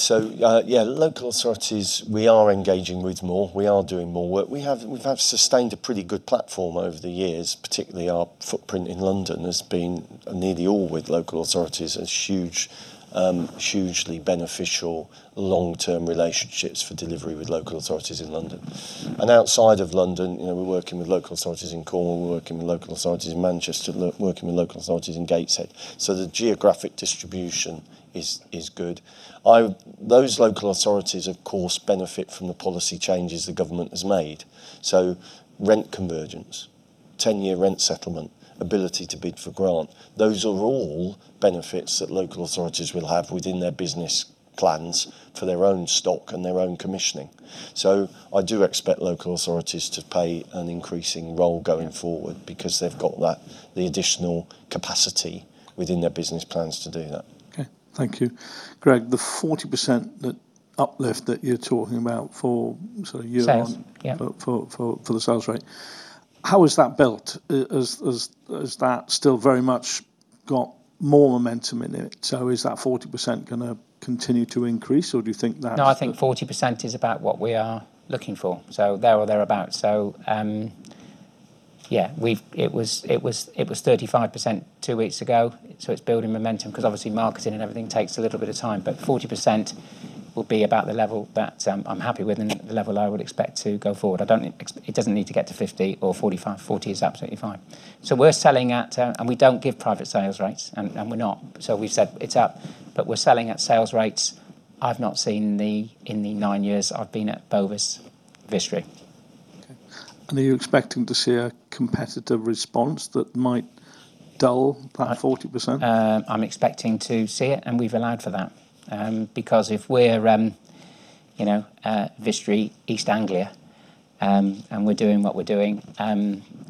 Speaker 3: Yeah, local authorities, we are engaging with more. We are doing more work. We have sustained a pretty good platform over the years. Particularly our footprint in London has been nearly all with local authorities. It's huge, hugely beneficial long-term relationships for delivery with local authorities in London. Outside of London, you know, we're working with local authorities in Cornwall. We're working with local authorities in Manchester. Working with local authorities in Gateshead. The geographic distribution is good. Those local authorities, of course, benefit from the policy changes the government has made. Rent convergence, 10-year rent settlement, ability to bid for grant, those are all benefits that local authorities will have within their business plans for their own stock and their own commissioning. I do expect local authorities to play an increasing role going forward because they've got that, the additional capacity within their business plans to do that.
Speaker 11: Okay. Thank you. Greg, the 40%, the uplift that you're talking about for sort of year on.
Speaker 1: Sales. Yeah
Speaker 11: for the sales rate, how is that built? Has that still very much got more momentum in it? Is that 40% gonna continue to increase or do you think that's the.
Speaker 1: I think 40% is about what we are looking for. There or thereabout. Yeah. It was 35% two weeks ago, it's building momentum because obviously marketing and everything takes a little bit of time. 40% will be about the level that I'm happy with and the level I would expect to go forward. It doesn't need to get to 50 or 45. 40 is absolutely fine. We're selling at. We don't give private sales rates, and we're not. We've said it's up, we're selling at sales rates I've not seen in the 9 years I've been at Vistry Group.
Speaker 11: Okay. Are you expecting to see a competitive response that might dull perhaps 40%?
Speaker 1: I'm expecting to see it, we've allowed for that. If we're, you know, Vistry East Anglia, and we're doing what we're doing,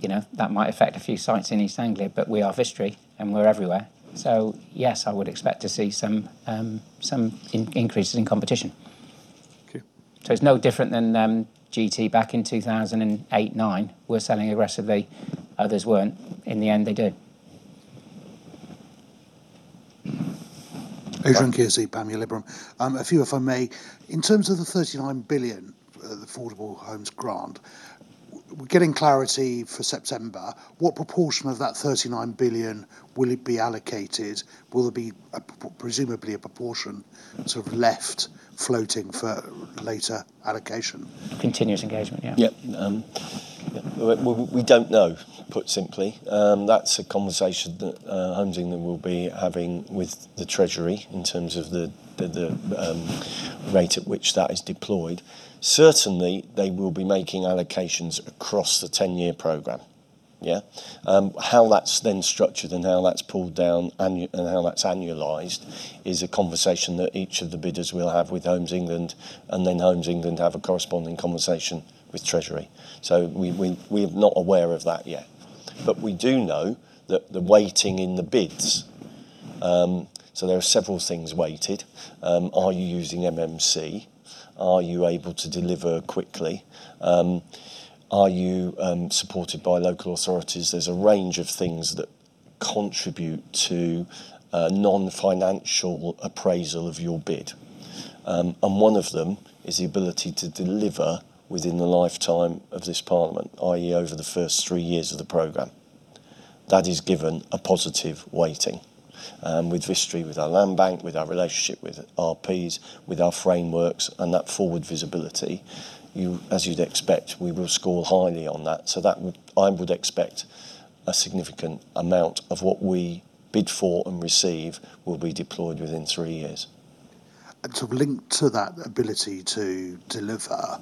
Speaker 1: you know, that might affect a few sites in East Anglia. We are Vistry, and we're everywhere. Yes, I would expect to see some increases in competition.
Speaker 11: Okay.
Speaker 1: It's no different than, GT back in 2008, 2009. We're selling aggressively. Others weren't. In the end, they did.
Speaker 11: Adrian
Speaker 1: Go on.
Speaker 12: Kirby, Liberum. A few if I may. In terms of the 39 billion affordable homes grant, we're getting clarity for September. What proportion of that 39 billion will it be allocated? Will there be presumably a proportion sort of left floating for later allocation?
Speaker 1: Continuous Engagement. Yeah.
Speaker 3: Yeah. Well, we don't know, put simply. That's a conversation that Homes England will be having with the Treasury in terms of the rate at which that is deployed. Certainly, they will be making allocations across the 10-year program. Yeah? How that's then structured and how that's pulled down and how that's annualized is a conversation that each of the bidders will have with Homes England, and then Homes England have a corresponding conversation with Treasury. We're not aware of that yet. We do know that the weighting in the bids, there are several things weighted. Are you using MMC? Are you able to deliver quickly? Are you supported by local authorities? There's a range of things that contribute to a non-financial appraisal of your bid. One of them is the ability to deliver within the lifetime of this parliament, i.e., over the first 3 years of the program. That is given a positive weighting. With Vistry, with our land bank, with our relationship with RPs, with our frameworks and that forward visibility, you, as you'd expect, we will score highly on that. I would expect a significant amount of what we bid for and receive will be deployed within 3 years.
Speaker 12: To link to that ability to deliver,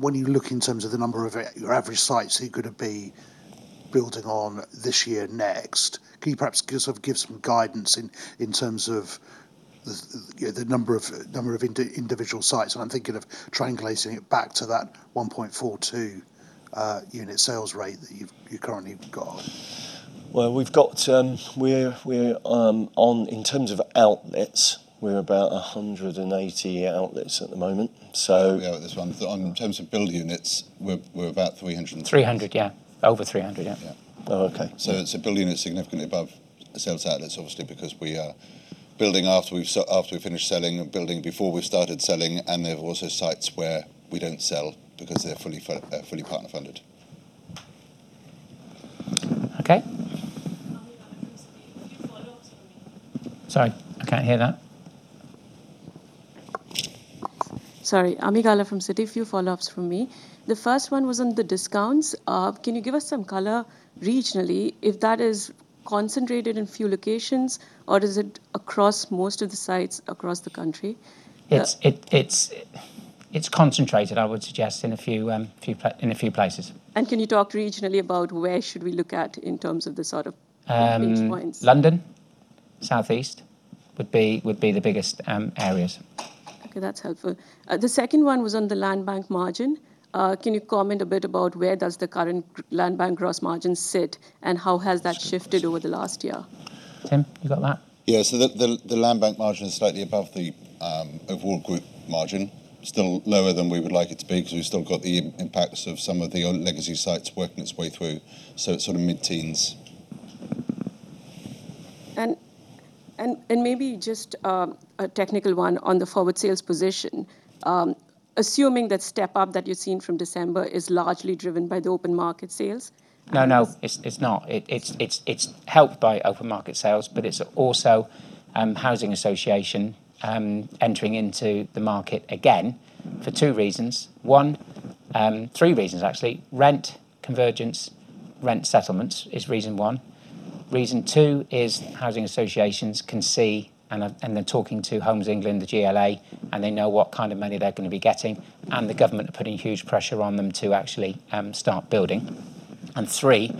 Speaker 12: when you look in terms of the number of your average sites you're gonna be building on this year, next, can you perhaps give some guidance in terms of the, you know, the number of individual sites? I'm thinking of triangulating it back to that 1.42 unit sales rate that you currently have got.
Speaker 3: we've got, In terms of outlets, we're about 180 outlets at the moment.
Speaker 1: Yeah, there's one.
Speaker 3: On terms of build units, we're about 300
Speaker 1: 300, yeah. Over 300, yeah.
Speaker 3: Yeah.
Speaker 12: Oh, okay.
Speaker 3: It's, building is significantly above sales outlets, obviously, because we are building after we've after we've finished selling and building before we've started selling. There are also sites where we don't sell because they're fully fully partner funded.
Speaker 1: Okay.
Speaker 13: Ami Galla from Citi. A few follow-ups from me.
Speaker 1: Sorry, I can't hear that.
Speaker 13: Sorry. Ami Galla from Citi. A few follow-ups from me. The first one was on the discounts. Can you give us some color regionally if that is concentrated in a few locations, or is it across most of the sites across the country?
Speaker 1: It's concentrated, I would suggest, in a few, in a few places.
Speaker 13: Can you talk regionally about where should we look at in terms of the sort of, pinch points?
Speaker 1: London, South East would be the biggest areas.
Speaker 13: Okay, that's helpful. The second one was on the land bank margin. Can you comment a bit about where does the current land bank gross margin sit, and how has that shifted over the last year?
Speaker 1: Tim, you got that?
Speaker 3: The land bank margin is slightly above the overall group margin. Still lower than we would like it to be 'cause we've still got the impacts of some of the old legacy sites working its way through. It's sort of mid-teens.
Speaker 13: Maybe just a technical one on the forward sales position. Assuming that step up that you've seen from December is largely driven by the open market sales.
Speaker 1: No, no.
Speaker 13: um-
Speaker 1: It's not. It's helped by open market sales, but it's also housing association entering into the market again for 2 reasons. One, 3 reasons, actually. Rent convergence, rent settlements is reason 1. Reason 2 is housing associations can see, and they're talking to Homes England, the GLA, and they know what kind of money they're gonna be getting, and the government are putting huge pressure on them to actually start building. 3,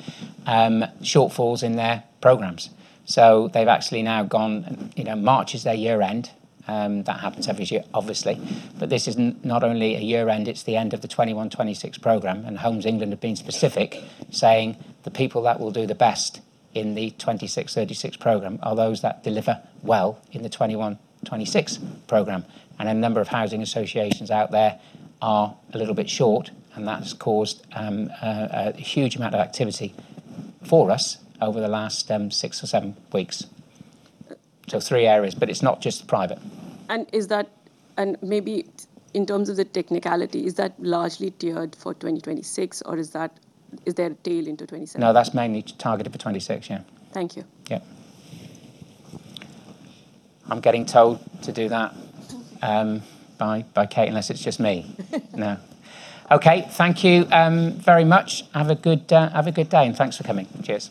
Speaker 1: shortfalls in their programs. They've actually now gone, you know, March is their year-end, that happens every year, obviously. This not only a year-end, it's the end of the 2021-2026 program. Homes England have been specific, saying the people that will do the best in the 2026-2036 program are those that deliver well in the 2021-2026 program. A number of housing associations out there are a little bit short, and that has caused a huge amount of activity for us over the last six or seven weeks. Three areas, but it's not just private.
Speaker 13: maybe in terms of the technicality, is that largely tiered for 2026, or is there a tail into 2027?
Speaker 1: No, that's mainly targeted for 2026. Yeah.
Speaker 13: Thank you.
Speaker 1: Yeah. I'm getting told to do that, by Kate, unless it's just me. No. Okay, thank you very much. Have a good day. Thanks for coming. Cheers.